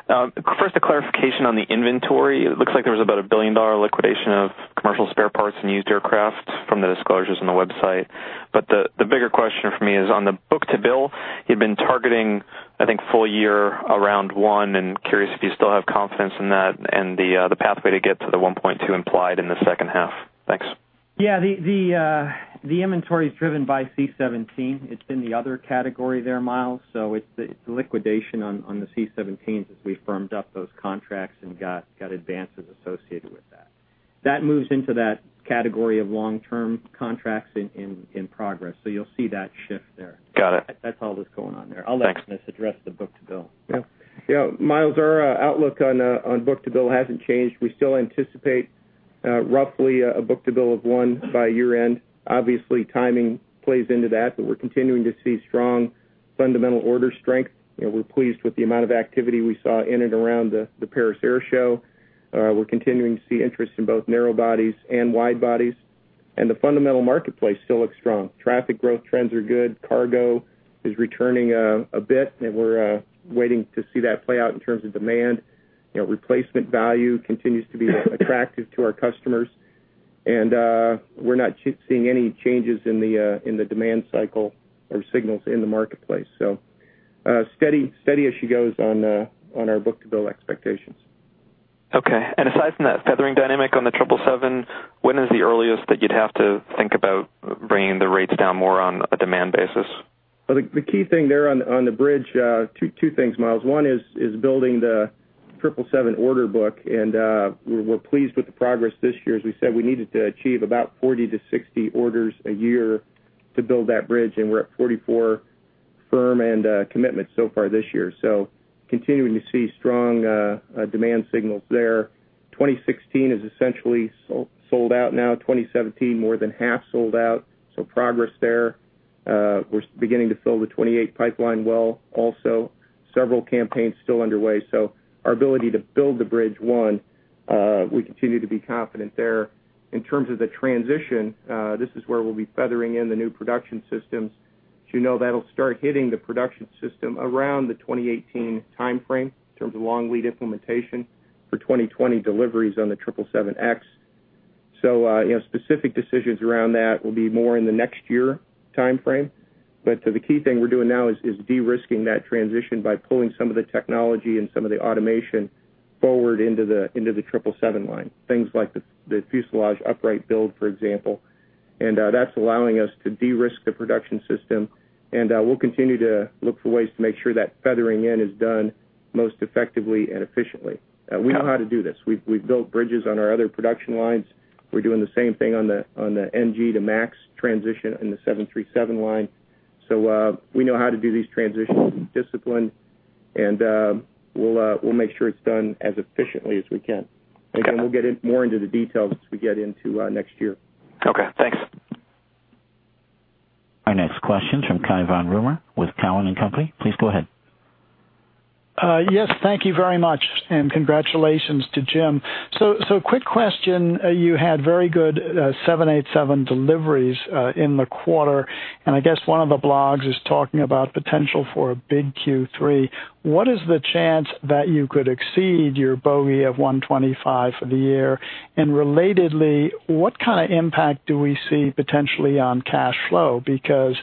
First, a clarification on the inventory. It looks like there was about a $1 billion liquidation of commercial spare parts and used aircraft from the disclosures on the website. The bigger question for me is on the book to bill, you'd been targeting, I think full year around one, and curious if you still have confidence in that and the pathway to get to the 1.2 implied in the second half. Thanks. Yeah, the inventory's driven by C-17. It's in the other category there, Myles. It's the liquidation on the C-17s as we firmed up those contracts and got advances associated with that. That moves into that category of long-term contracts in progress. You'll see that shift there. Got it. That's all that's going on there. Thanks. I'll let Dennis address the book-to-bill. Yeah. Myles, our outlook on book-to-bill hasn't changed. We still anticipate roughly a book-to-bill of one by year-end. Obviously, timing plays into that, but we're continuing to see strong fundamental order strength. We're pleased with the amount of activity we saw in and around the Paris Air Show. We're continuing to see interest in both narrow bodies and wide bodies, and the fundamental marketplace still looks strong. Traffic growth trends are good. Cargo is returning a bit, and we're waiting to see that play out in terms of demand. Replacement value continues to be attractive to our customers, and we're not seeing any changes in the demand cycle or signals in the marketplace. Steady as she goes on our book-to-bill expectations. Okay. Aside from that feathering dynamic on the 777, when is the earliest that you'd have to think about bringing the rates down more on a demand basis? The key thing there on the bridge, two things, Myles. One is building the 777 order book, and we're pleased with the progress this year. As we said, we needed to achieve about 40-60 orders a year to build that bridge, and we're at 44 Firm and commitment so far this year. Continuing to see strong demand signals there. 2016 is essentially sold out now. 2017, more than half sold out. Progress there. We're beginning to fill the 2028 pipeline well, also. Several campaigns still underway. Our ability to build the Bridge 1, we continue to be confident there. In terms of the transition, this is where we'll be feathering in the new production systems. As you know, that'll start hitting the production system around the 2018 timeframe, in terms of long lead implementation for 2020 deliveries on the 777X. Specific decisions around that will be more in the next year timeframe. The key thing we're doing now is de-risking that transition by pulling some of the technology and some of the automation forward into the 777 line, things like the fuselage upright build, for example. That's allowing us to de-risk the production system. We'll continue to look for ways to make sure that feathering in is done most effectively and efficiently. We know how to do this. We've built bridges on our other production lines. We're doing the same thing on the NG to MAX transition in the 737 line. We know how to do these transitions disciplined, and we'll make sure it's done as efficiently as we can. Got it. Then we'll get more into the details as we get into next year. Okay, thanks. Our next question from Cai von Rumohr with Cowen and Company. Please go ahead. Yes, thank you very much. Congratulations to Jim. Quick question. You had very good 787 deliveries in the quarter, and I guess one of the blogs is talking about potential for a big Q3. What is the chance that you could exceed your bogey of 125 for the year? Relatedly, what kind of impact do we see potentially on cash flow? Because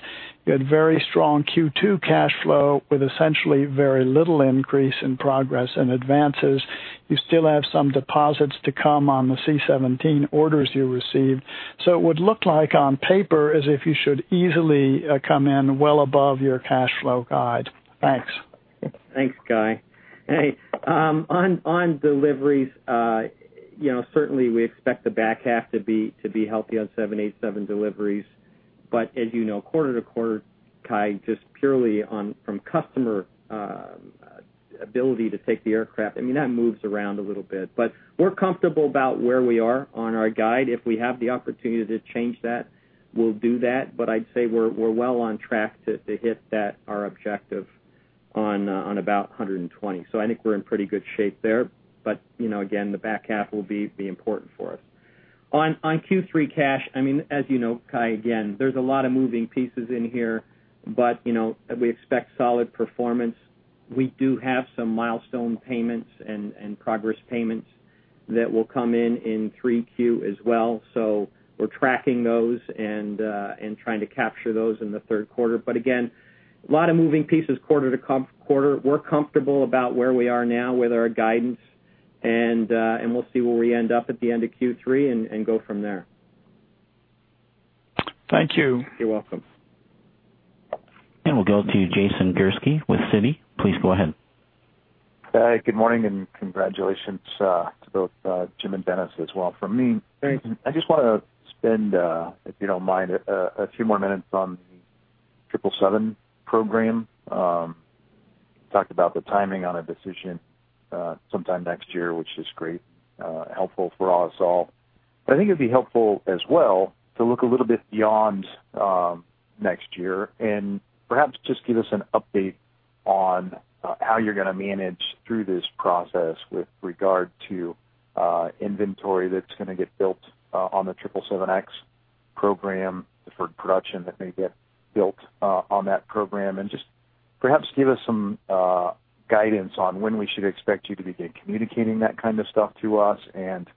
you had very strong Q2 cash flow with essentially very little increase in progress and advances. You still have some deposits to come on the C-17 orders you received. It would look like, on paper, as if you should easily come in well above your cash flow guide. Thanks. Thanks, Cai. On deliveries, certainly we expect the back half to be healthy on 787 deliveries. As you know, quarter to quarter, Cai, just purely from customer ability to take the aircraft, that moves around a little bit. We're comfortable about where we are on our guide. If we have the opportunity to change that, we'll do that. I'd say we're well on track to hit our objective on about 120. I think we're in pretty good shape there. Again, the back half will be important for us. On Q3 cash, as you know, Cai, again, there's a lot of moving pieces in here, but we expect solid performance. We do have some milestone payments and progress payments that will come in in 3Q as well. We're tracking those and trying to capture those in the third quarter. Again, a lot of moving pieces quarter to quarter. We're comfortable about where we are now with our guidance, and we'll see where we end up at the end of Q3 and go from there. Thank you. You're welcome. We'll go to Jason Gursky with Citi. Please go ahead. Hi, good morning, congratulations to both Jim and Dennis as well from me. Thanks. I just want to spend, if you don't mind, a few more minutes on the 777 program. Talked about the timing on a decision sometime next year, which is great, helpful for us all. I think it'd be helpful as well to look a little bit beyond next year and perhaps just give us an update on how you're going to manage through this process with regard to inventory that's going to get built on the 777X program, deferred production that may get built on that program. Just perhaps give us some guidance on when we should expect you to begin communicating that kind of stuff to us and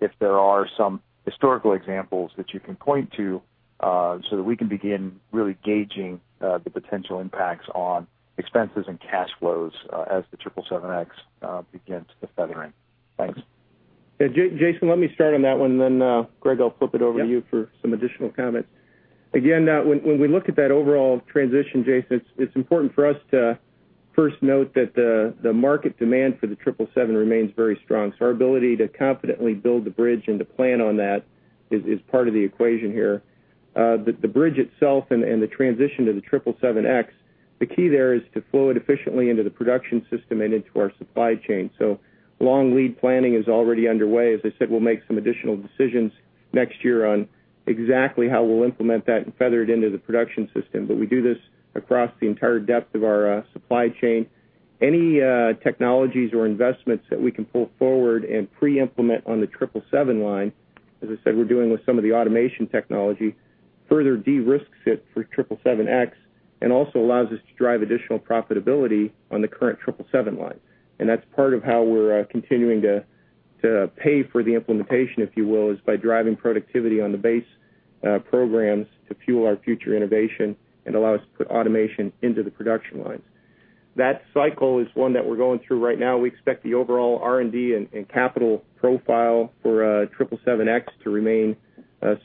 if there are some historical examples that you can point to so that we can begin really gauging the potential impacts on expenses and cash flows as the 777X begins the feathering. Thanks. Jason, let me start on that one, and then Greg, I'll flip it over to you for some additional comments. When we look at that overall transition, Jason, it's important for us to first note that the market demand for the 777 remains very strong. Our ability to confidently build the bridge and to plan on that is part of the equation here. The bridge itself and the transition to the 777X, the key there is to flow it efficiently into the production system and into our supply chain. Long lead planning is already underway. As I said, we'll make some additional decisions next year on exactly how we'll implement that and feather it into the production system. We do this across the entire depth of our supply chain. Any technologies or investments that we can pull forward and pre-implement on the 777 line, as I said, we're doing with some of the automation technology, further de-risks it for 777X and also allows us to drive additional profitability on the current 777 line. That's part of how we're continuing to pay for the implementation, if you will, is by driving productivity on the base programs to fuel our future innovation and allow us to put automation into the production lines. That cycle is one that we're going through right now. We expect the overall R&D and capital profile for 777X to remain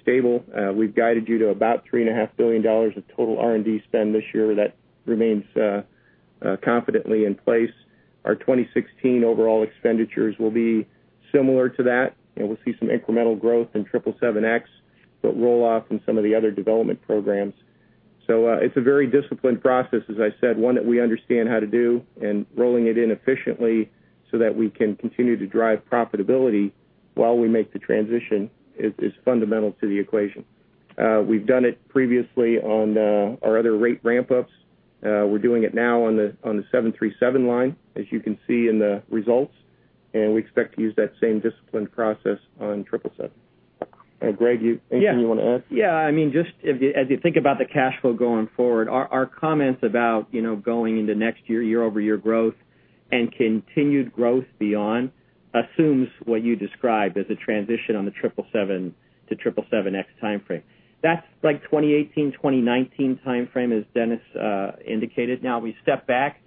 stable. We've guided you to about $3.5 billion of total R&D spend this year. That remains confidently in place. Our 2016 overall expenditures will be similar to that. We'll see some incremental growth in 777X, but roll off in some of the other development programs. It's a very disciplined process, as I said, one that we understand how to do, and rolling it in efficiently so that we can continue to drive profitability while we make the transition is fundamental to the equation. We've done it previously on our other rate ramp-ups. We're doing it now on the 737 line, as you can see in the results. We expect to use that same disciplined process on 777. Greg, anything you want to add? Yeah. Just as you think about the cash flow going forward, our comments about going into next year-over-year growth, and continued growth beyond, assumes what you described as a transition on the 777 to 777X timeframe. That's 2018, 2019 timeframe, as Dennis indicated. We step back.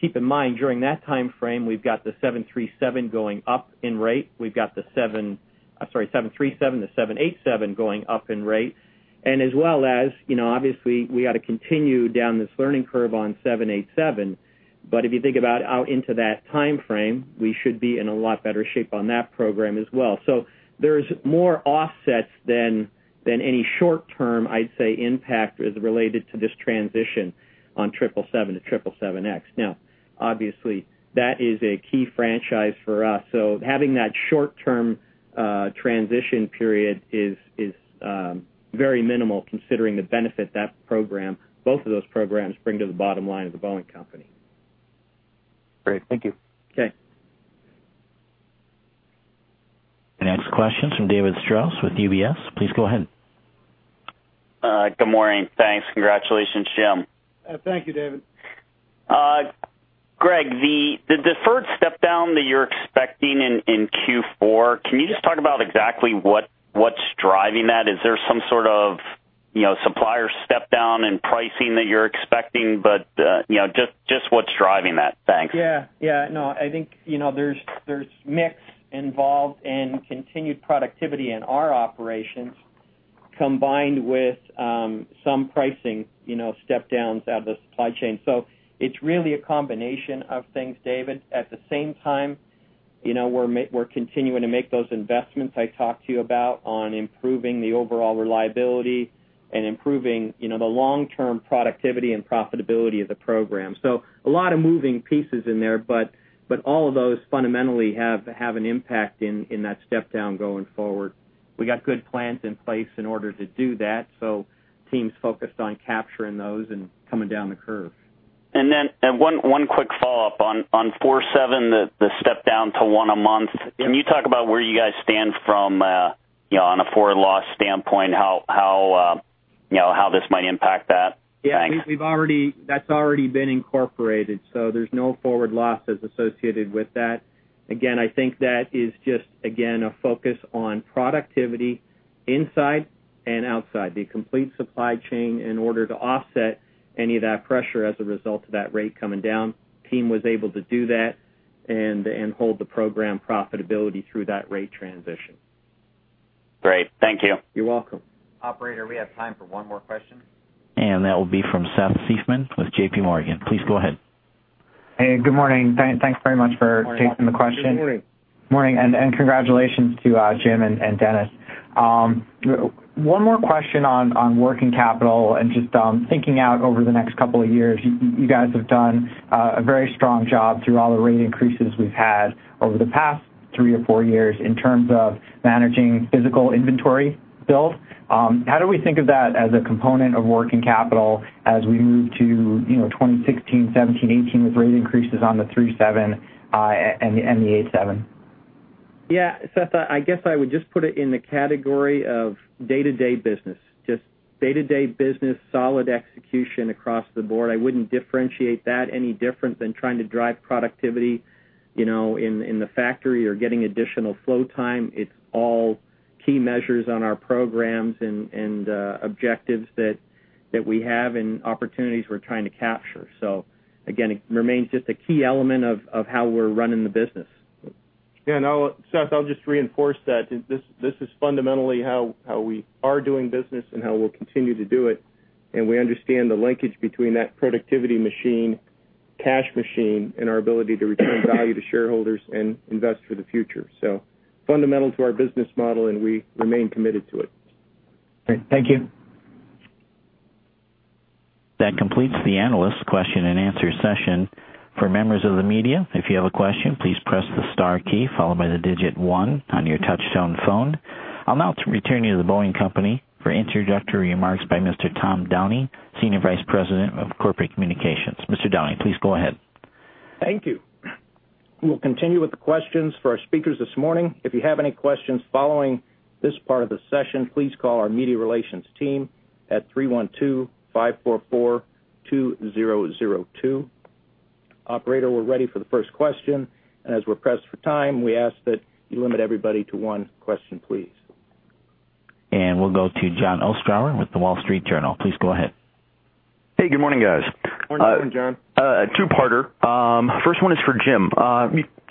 Keep in mind, during that timeframe, we've got the 737 going up in rate. We've got the 737, the 787 going up in rate, and as well as, obviously, we got to continue down this learning curve on 787. If you think about out into that timeframe, we should be in a lot better shape on that program as well. There's more offsets than any short-term, I'd say, impact as related to this transition on 777 to 777X. Obviously, that is a key franchise for us. Having that short-term transition period is very minimal considering the benefit both of those programs bring to the bottom line of The Boeing Company. Great. Thank you. Okay. The next question's from David Strauss with UBS. Please go ahead. Good morning. Thanks. Congratulations, Jim. Thank you, David. Greg, the deferred step-down that you're expecting in Q4, can you just talk about exactly what's driving that? Is there some sort of supplier step-down in pricing that you're expecting? Just what's driving that? Thanks. Yeah. No, I think, there's mix involved and continued productivity in our operations, combined with some pricing step-downs out of the supply chain. It's really a combination of things, David. At the same time, we're continuing to make those investments I talked to you about on improving the overall reliability and improving the long-term productivity and profitability of the program. A lot of moving pieces in there, but all of those fundamentally have an impact in that step-down going forward. We got good plans in place in order to do that, so team's focused on capturing those and coming down the curve. One quick follow-up. On 47, the step-down to one a month. Yeah. Can you talk about where you guys stand from, on a forward loss standpoint, how this might impact that? Thanks. Yeah. That's already been incorporated. There's no forward losses associated with that. I think that is just, again, a focus on productivity inside and outside the complete supply chain in order to offset any of that pressure as a result of that rate coming down. Team was able to do that and hold the program profitability through that rate transition. Great. Thank you. You're welcome. Operator, we have time for one more question. That will be from Seth Seifman with JPMorgan. Please go ahead. Hey, good morning. Thanks very much for taking the question. Good morning. Morning, congratulations to Jim and Dennis. One more question on working capital and just thinking out over the next couple of years. You guys have done a very strong job through all the rate increases we've had over the past three or four years in terms of managing physical inventory build. How do we think of that as a component of working capital as we move to 2016, 2017, 2018, with rate increases on the 37 and the 87? Seth, I guess I would just put it in the category of day-to-day business. Just day-to-day business, solid execution across the board. I wouldn't differentiate that any different than trying to drive productivity in the factory or getting additional flow time. It's all key measures on our programs and objectives that we have and opportunities we're trying to capture. Again, it remains just a key element of how we're running the business. Seth, I'll just reinforce that. This is fundamentally how we are doing business and how we'll continue to do it, and we understand the linkage between that productivity machine, cash machine, and our ability to return value to shareholders and invest for the future. Fundamental to our business model, and we remain committed to it. Great. Thank you. That completes the analyst question and answer session. For members of the media, if you have a question, please press the star key followed by the digit 1 on your touch-tone phone. I'll now return you to The Boeing Company for introductory remarks by Mr. Tom Downey, Senior Vice President of Corporate Communications. Mr. Downey, please go ahead. Thank you. We'll continue with the questions for our speakers this morning. If you have any questions following this part of the session, please call our media relations team at 312-544-2002. Operator, we're ready for the first question, and as we're pressed for time, we ask that you limit everybody to one question, please. We'll go to Jon Ostrower with "The Wall Street Journal." Please go ahead. Hey, good morning, guys. Morning, Jon. A two-parter. First one is for Jim.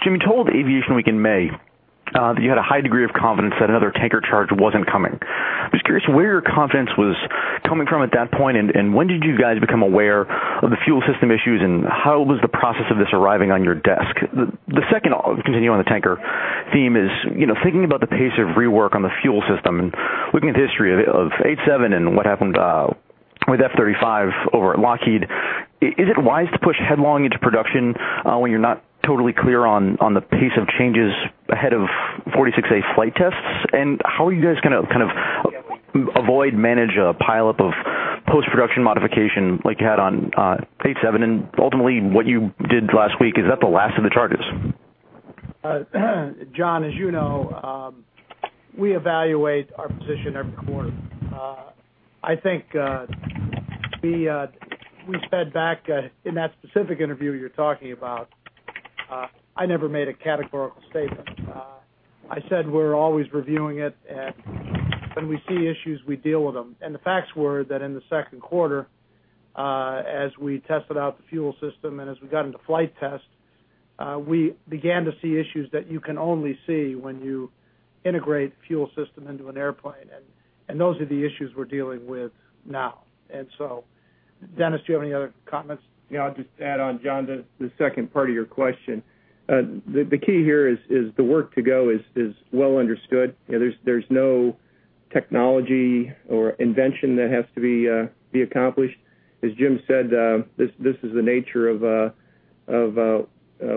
Jim, you told Aviation Week in May that you had a high degree of confidence that another tanker charge wasn't coming. Just curious where your confidence was coming from at that point, and when did you guys become aware of the fuel system issues, and how was the process of this arriving on your desk? The second, I'll continue on the tanker theme is, thinking about the pace of rework on the fuel system and looking at the history of 87 and what happened with F-35 over at Lockheed, is it wise to push headlong into production, when you're not totally clear on the pace of changes ahead of 46A flight tests? How are you guys going to kind of avoid, manage a pileup of post-production modification like you had on 87, and ultimately, what you did last week, is that the last of the charges? Jon, as you know, we evaluate our position every quarter. I think, we said back in that specific interview you're talking about, I never made a categorical statement. I said we're always reviewing it and when we see issues, we deal with them. The facts were that in the second quarter, as we tested out the fuel system and as we got into flight tests, we began to see issues that you can only see when you integrate fuel system into an airplane. Those are the issues we're dealing with now. Dennis, do you have any other comments? Yeah, I'll just add on, Jon, the second part of your question. The key here is the work to go is well understood. There's no technology or invention that has to be accomplished. As Jim said, this is the nature of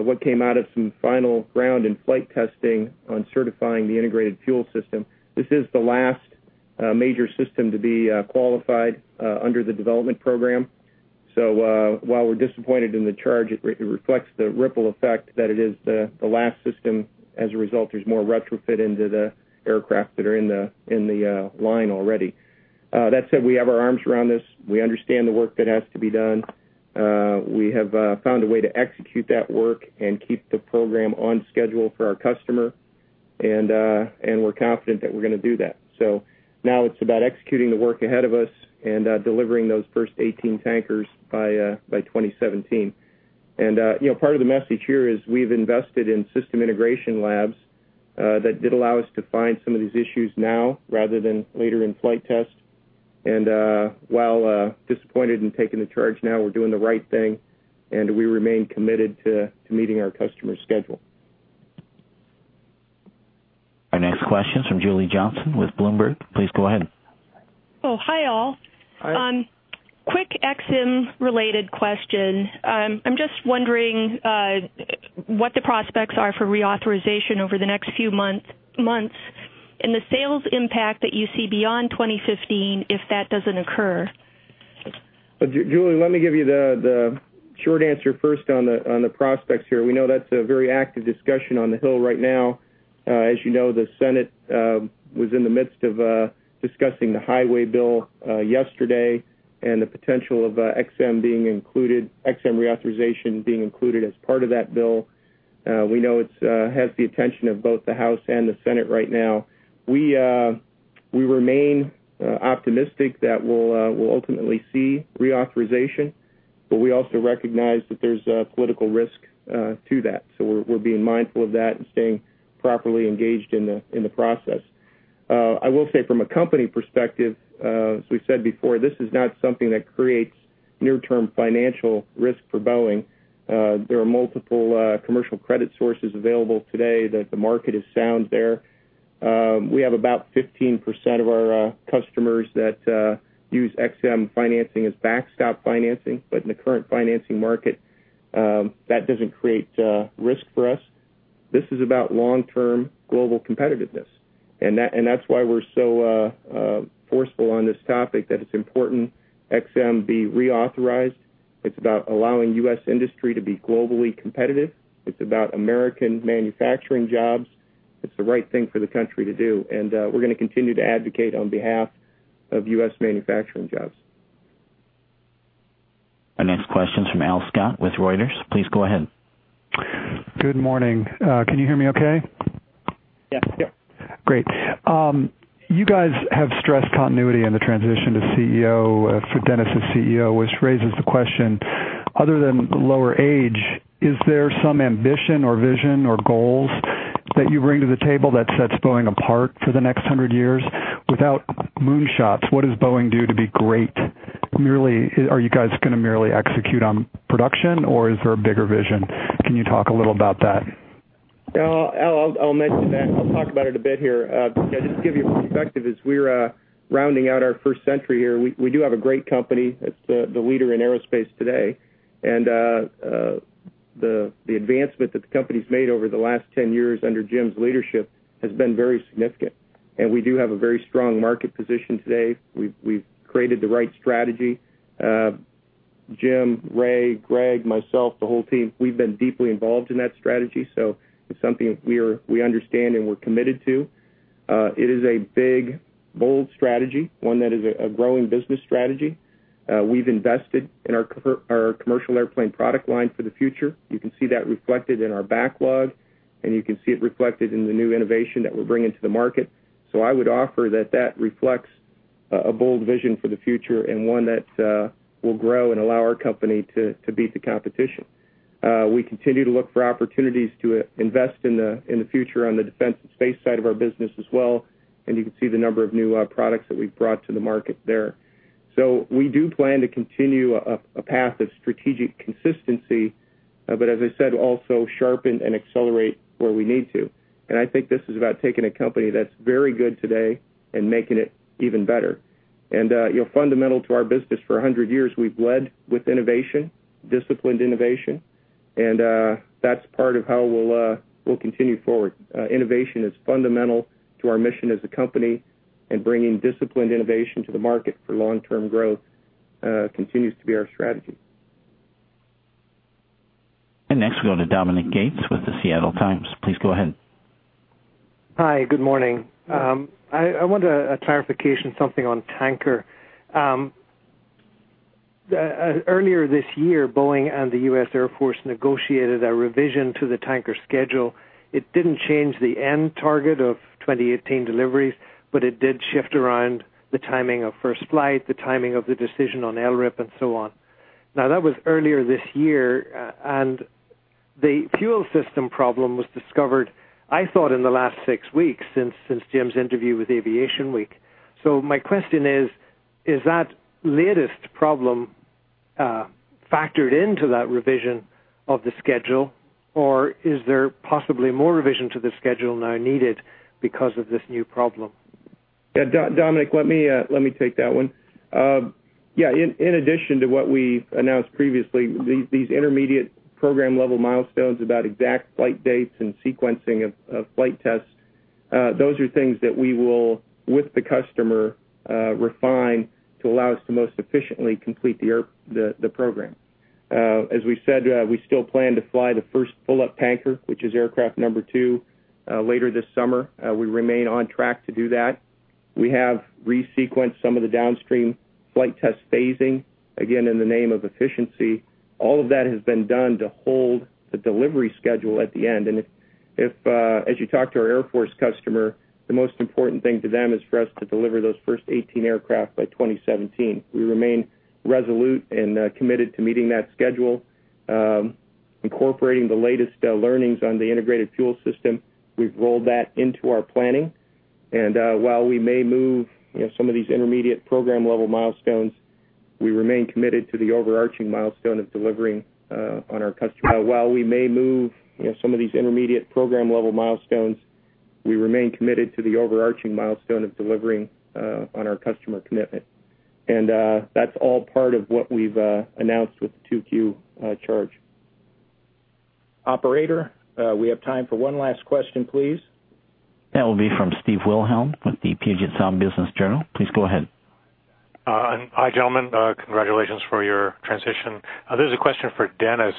what came out of some final ground and flight testing on certifying the integrated fuel system. This is the last major system to be qualified under the development program. While we're disappointed in the charge, it reflects the ripple effect that it is the last system. As a result, there's more retrofit into the aircraft that are in the line already. That said, we have our arms around this. We understand the work that has to be done. We have found a way to execute that work and keep the program on schedule for our customer. We're confident that we're going to do that. Now it's about executing the work ahead of us and delivering those first 18 tankers by 2017. Part of the message here is we've invested in system integration labs that did allow us to find some of these issues now rather than later in flight test. While disappointed in taking the charge now, we're doing the right thing, and we remain committed to meeting our customer's schedule. Our next question is from Julie Johnsson with Bloomberg. Please go ahead. Hi, all. Hi. Quick Ex-Im related question. I'm just wondering what the prospects are for reauthorization over the next few months, and the sales impact that you see beyond 2015 if that doesn't occur. Julie, let me give you the short answer first on the prospects here. We know that's a very active discussion on the Hill right now. As you know, the Senate was in the midst of discussing the highway bill yesterday and the potential of Ex-Im reauthorization being included as part of that bill. We know it has the attention of both the House and the Senate right now. We remain optimistic that we'll ultimately see reauthorization, but we also recognize that there's a political risk to that. We're being mindful of that and staying properly engaged in the process. I will say from a company perspective, as we said before, this is not something that creates near-term financial risk for Boeing. There are multiple commercial credit sources available today that the market is sound there. We have about 15% of our customers that use Ex-Im financing as backstop financing, in the current financing market, that doesn't create risk for us. This is about long-term global competitiveness, that's why we're so forceful on this topic that it's important Ex-Im be reauthorized. It's about allowing U.S. industry to be globally competitive. It's about American manufacturing jobs. It's the right thing for the country to do, we're going to continue to advocate on behalf of U.S. manufacturing jobs. Our next question is from Alwyn Scott with Reuters. Please go ahead. Good morning. Can you hear me okay? Yes. Yep. Great. You guys have stressed continuity in the transition to CEO, for Dennis as CEO, which raises the question, other than lower age, is there some ambition or vision or goals that you bring to the table that sets Boeing apart for the next 100 years? Without moonshots, what does Boeing do to be great? Are you guys going to merely execute on production, or is there a bigger vision? Can you talk a little about that? Al, I'll mention that, and I'll talk about it a bit here. Just to give you perspective, as we're rounding out our first century here, we do have a great company. It's the leader in aerospace today. The advancement that the company's made over the last 10 years under Jim's leadership has been very significant, and we do have a very strong market position today. We've created the right strategy. Jim, Ray, Greg, myself, the whole team, we've been deeply involved in that strategy, so it's something we understand and we're committed to. It is a big, bold strategy, one that is a growing business strategy. We've invested in our commercial airplane product line for the future. You can see that reflected in our backlog, and you can see it reflected in the new innovation that we're bringing to the market. I would offer that reflects a bold vision for the future and one that, will grow and allow our company to beat the competition. We continue to look for opportunities to invest in the future on the defense and space side of our business as well, and you can see the number of new products that we've brought to the market there. We do plan to continue a path of strategic consistency, but as I said, also sharpen and accelerate where we need to. I think this is about taking a company that's very good today and making it even better. Fundamental to our business, for 100 years, we've led with innovation, disciplined innovation, and that's part of how we'll continue forward. Innovation is fundamental to our mission as a company, and bringing disciplined innovation to the market for long-term growth continues to be our strategy. Next, we go to Dominic Gates with The Seattle Times. Please go ahead. Hi, good morning. Yeah. I wanted a clarification, something on Tanker. Earlier this year, Boeing and the United States Air Force negotiated a revision to the Tanker schedule. It didn't change the end target of 2018 deliveries, but it did shift around the timing of first flight, the timing of the decision on LRIP, and so on. That was earlier this year, and the fuel system problem was discovered, I thought, in the last 6 weeks since Jim's interview with Aviation Week. My question is that latest problem factored into that revision of the schedule, or is there possibly more revision to the schedule now needed because of this new problem? Dominic, let me take that one. In addition to what we've announced previously, these intermediate program-level milestones about exact flight dates and sequencing of flight tests, those are things that we will, with the customer, refine to allow us to most efficiently complete the program. As we said, we still plan to fly the first full-up Tanker, which is aircraft number 2, later this summer. We remain on track to do that. We have re-sequenced some of the downstream flight test phasing, again, in the name of efficiency. All of that has been done to hold the delivery schedule at the end. As you talk to our Air Force customer, the most important thing to them is for us to deliver those first 18 aircraft by 2017. We remain resolute and committed to meeting that schedule. Incorporating the latest learnings on the integrated fuel system, we've rolled that into our planning. While we may move some of these intermediate program-level milestones, we remain committed to the overarching milestone of delivering on our customer commitment. That's all part of what we've announced with the 2Q charge. Operator, we have time for one last question, please. That will be from Steve Wilhelm with the "Puget Sound Business Journal." Please go ahead. Hi, gentlemen. Congratulations for your transition. This is a question for Dennis.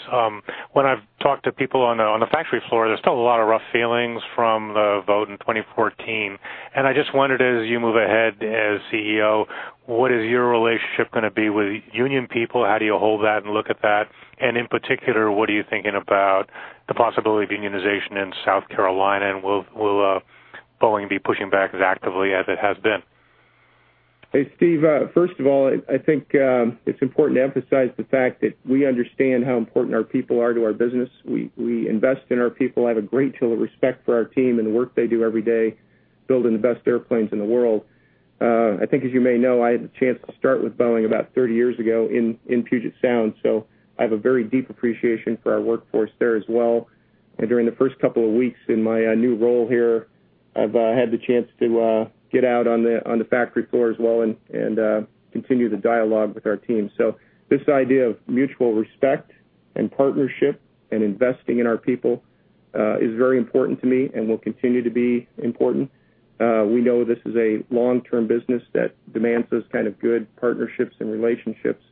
When I've talked to people on the factory floor, there's still a lot of rough feelings from the vote in 2014. I just wondered, as you move ahead as CEO, what is your relationship going to be with union people? How do you hold that and look at that? In particular, what are you thinking about the possibility of unionization in South Carolina, and will Boeing be pushing back as actively as it has been? Hey, Steve. First of all, I think it's important to emphasize the fact that we understand how important our people are to our business. We invest in our people. I have a great deal of respect for our team and the work they do every day building the best airplanes in the world. I think, as you may know, I had the chance to start with Boeing about 30 years ago in Puget Sound, I have a very deep appreciation for our workforce there as well. During the first couple of weeks in my new role here, I've had the chance to get out on the factory floor as well and continue the dialogue with our team. This idea of mutual respect and partnership and investing in our people is very important to me and will continue to be important. We know this is a long-term business that demands those kind of good partnerships and relationships.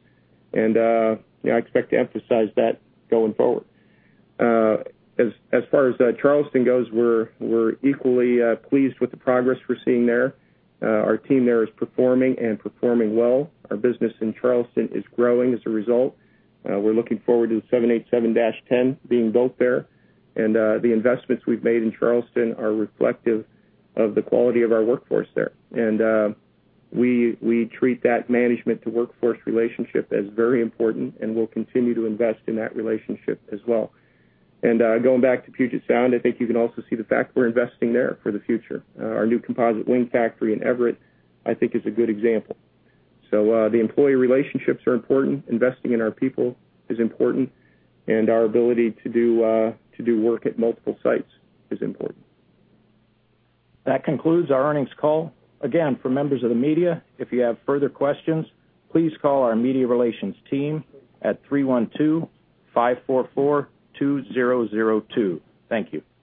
I expect to emphasize that going forward. As far as Charleston goes, we're equally pleased with the progress we're seeing there. Our team there is performing and performing well. Our business in Charleston is growing as a result. We're looking forward to the 787-10 being built there. The investments we've made in Charleston are reflective of the quality of our workforce there. We treat that management to workforce relationship as very important and will continue to invest in that relationship as well. Going back to Puget Sound, I think you can also see the fact we're investing there for the future. Our new composite wing factory in Everett, I think is a good example. The employee relationships are important, investing in our people is important, and our ability to do work at multiple sites is important. That concludes our earnings call. Again, for members of the media, if you have further questions, please call our media relations team at 312-544-2002. Thank you.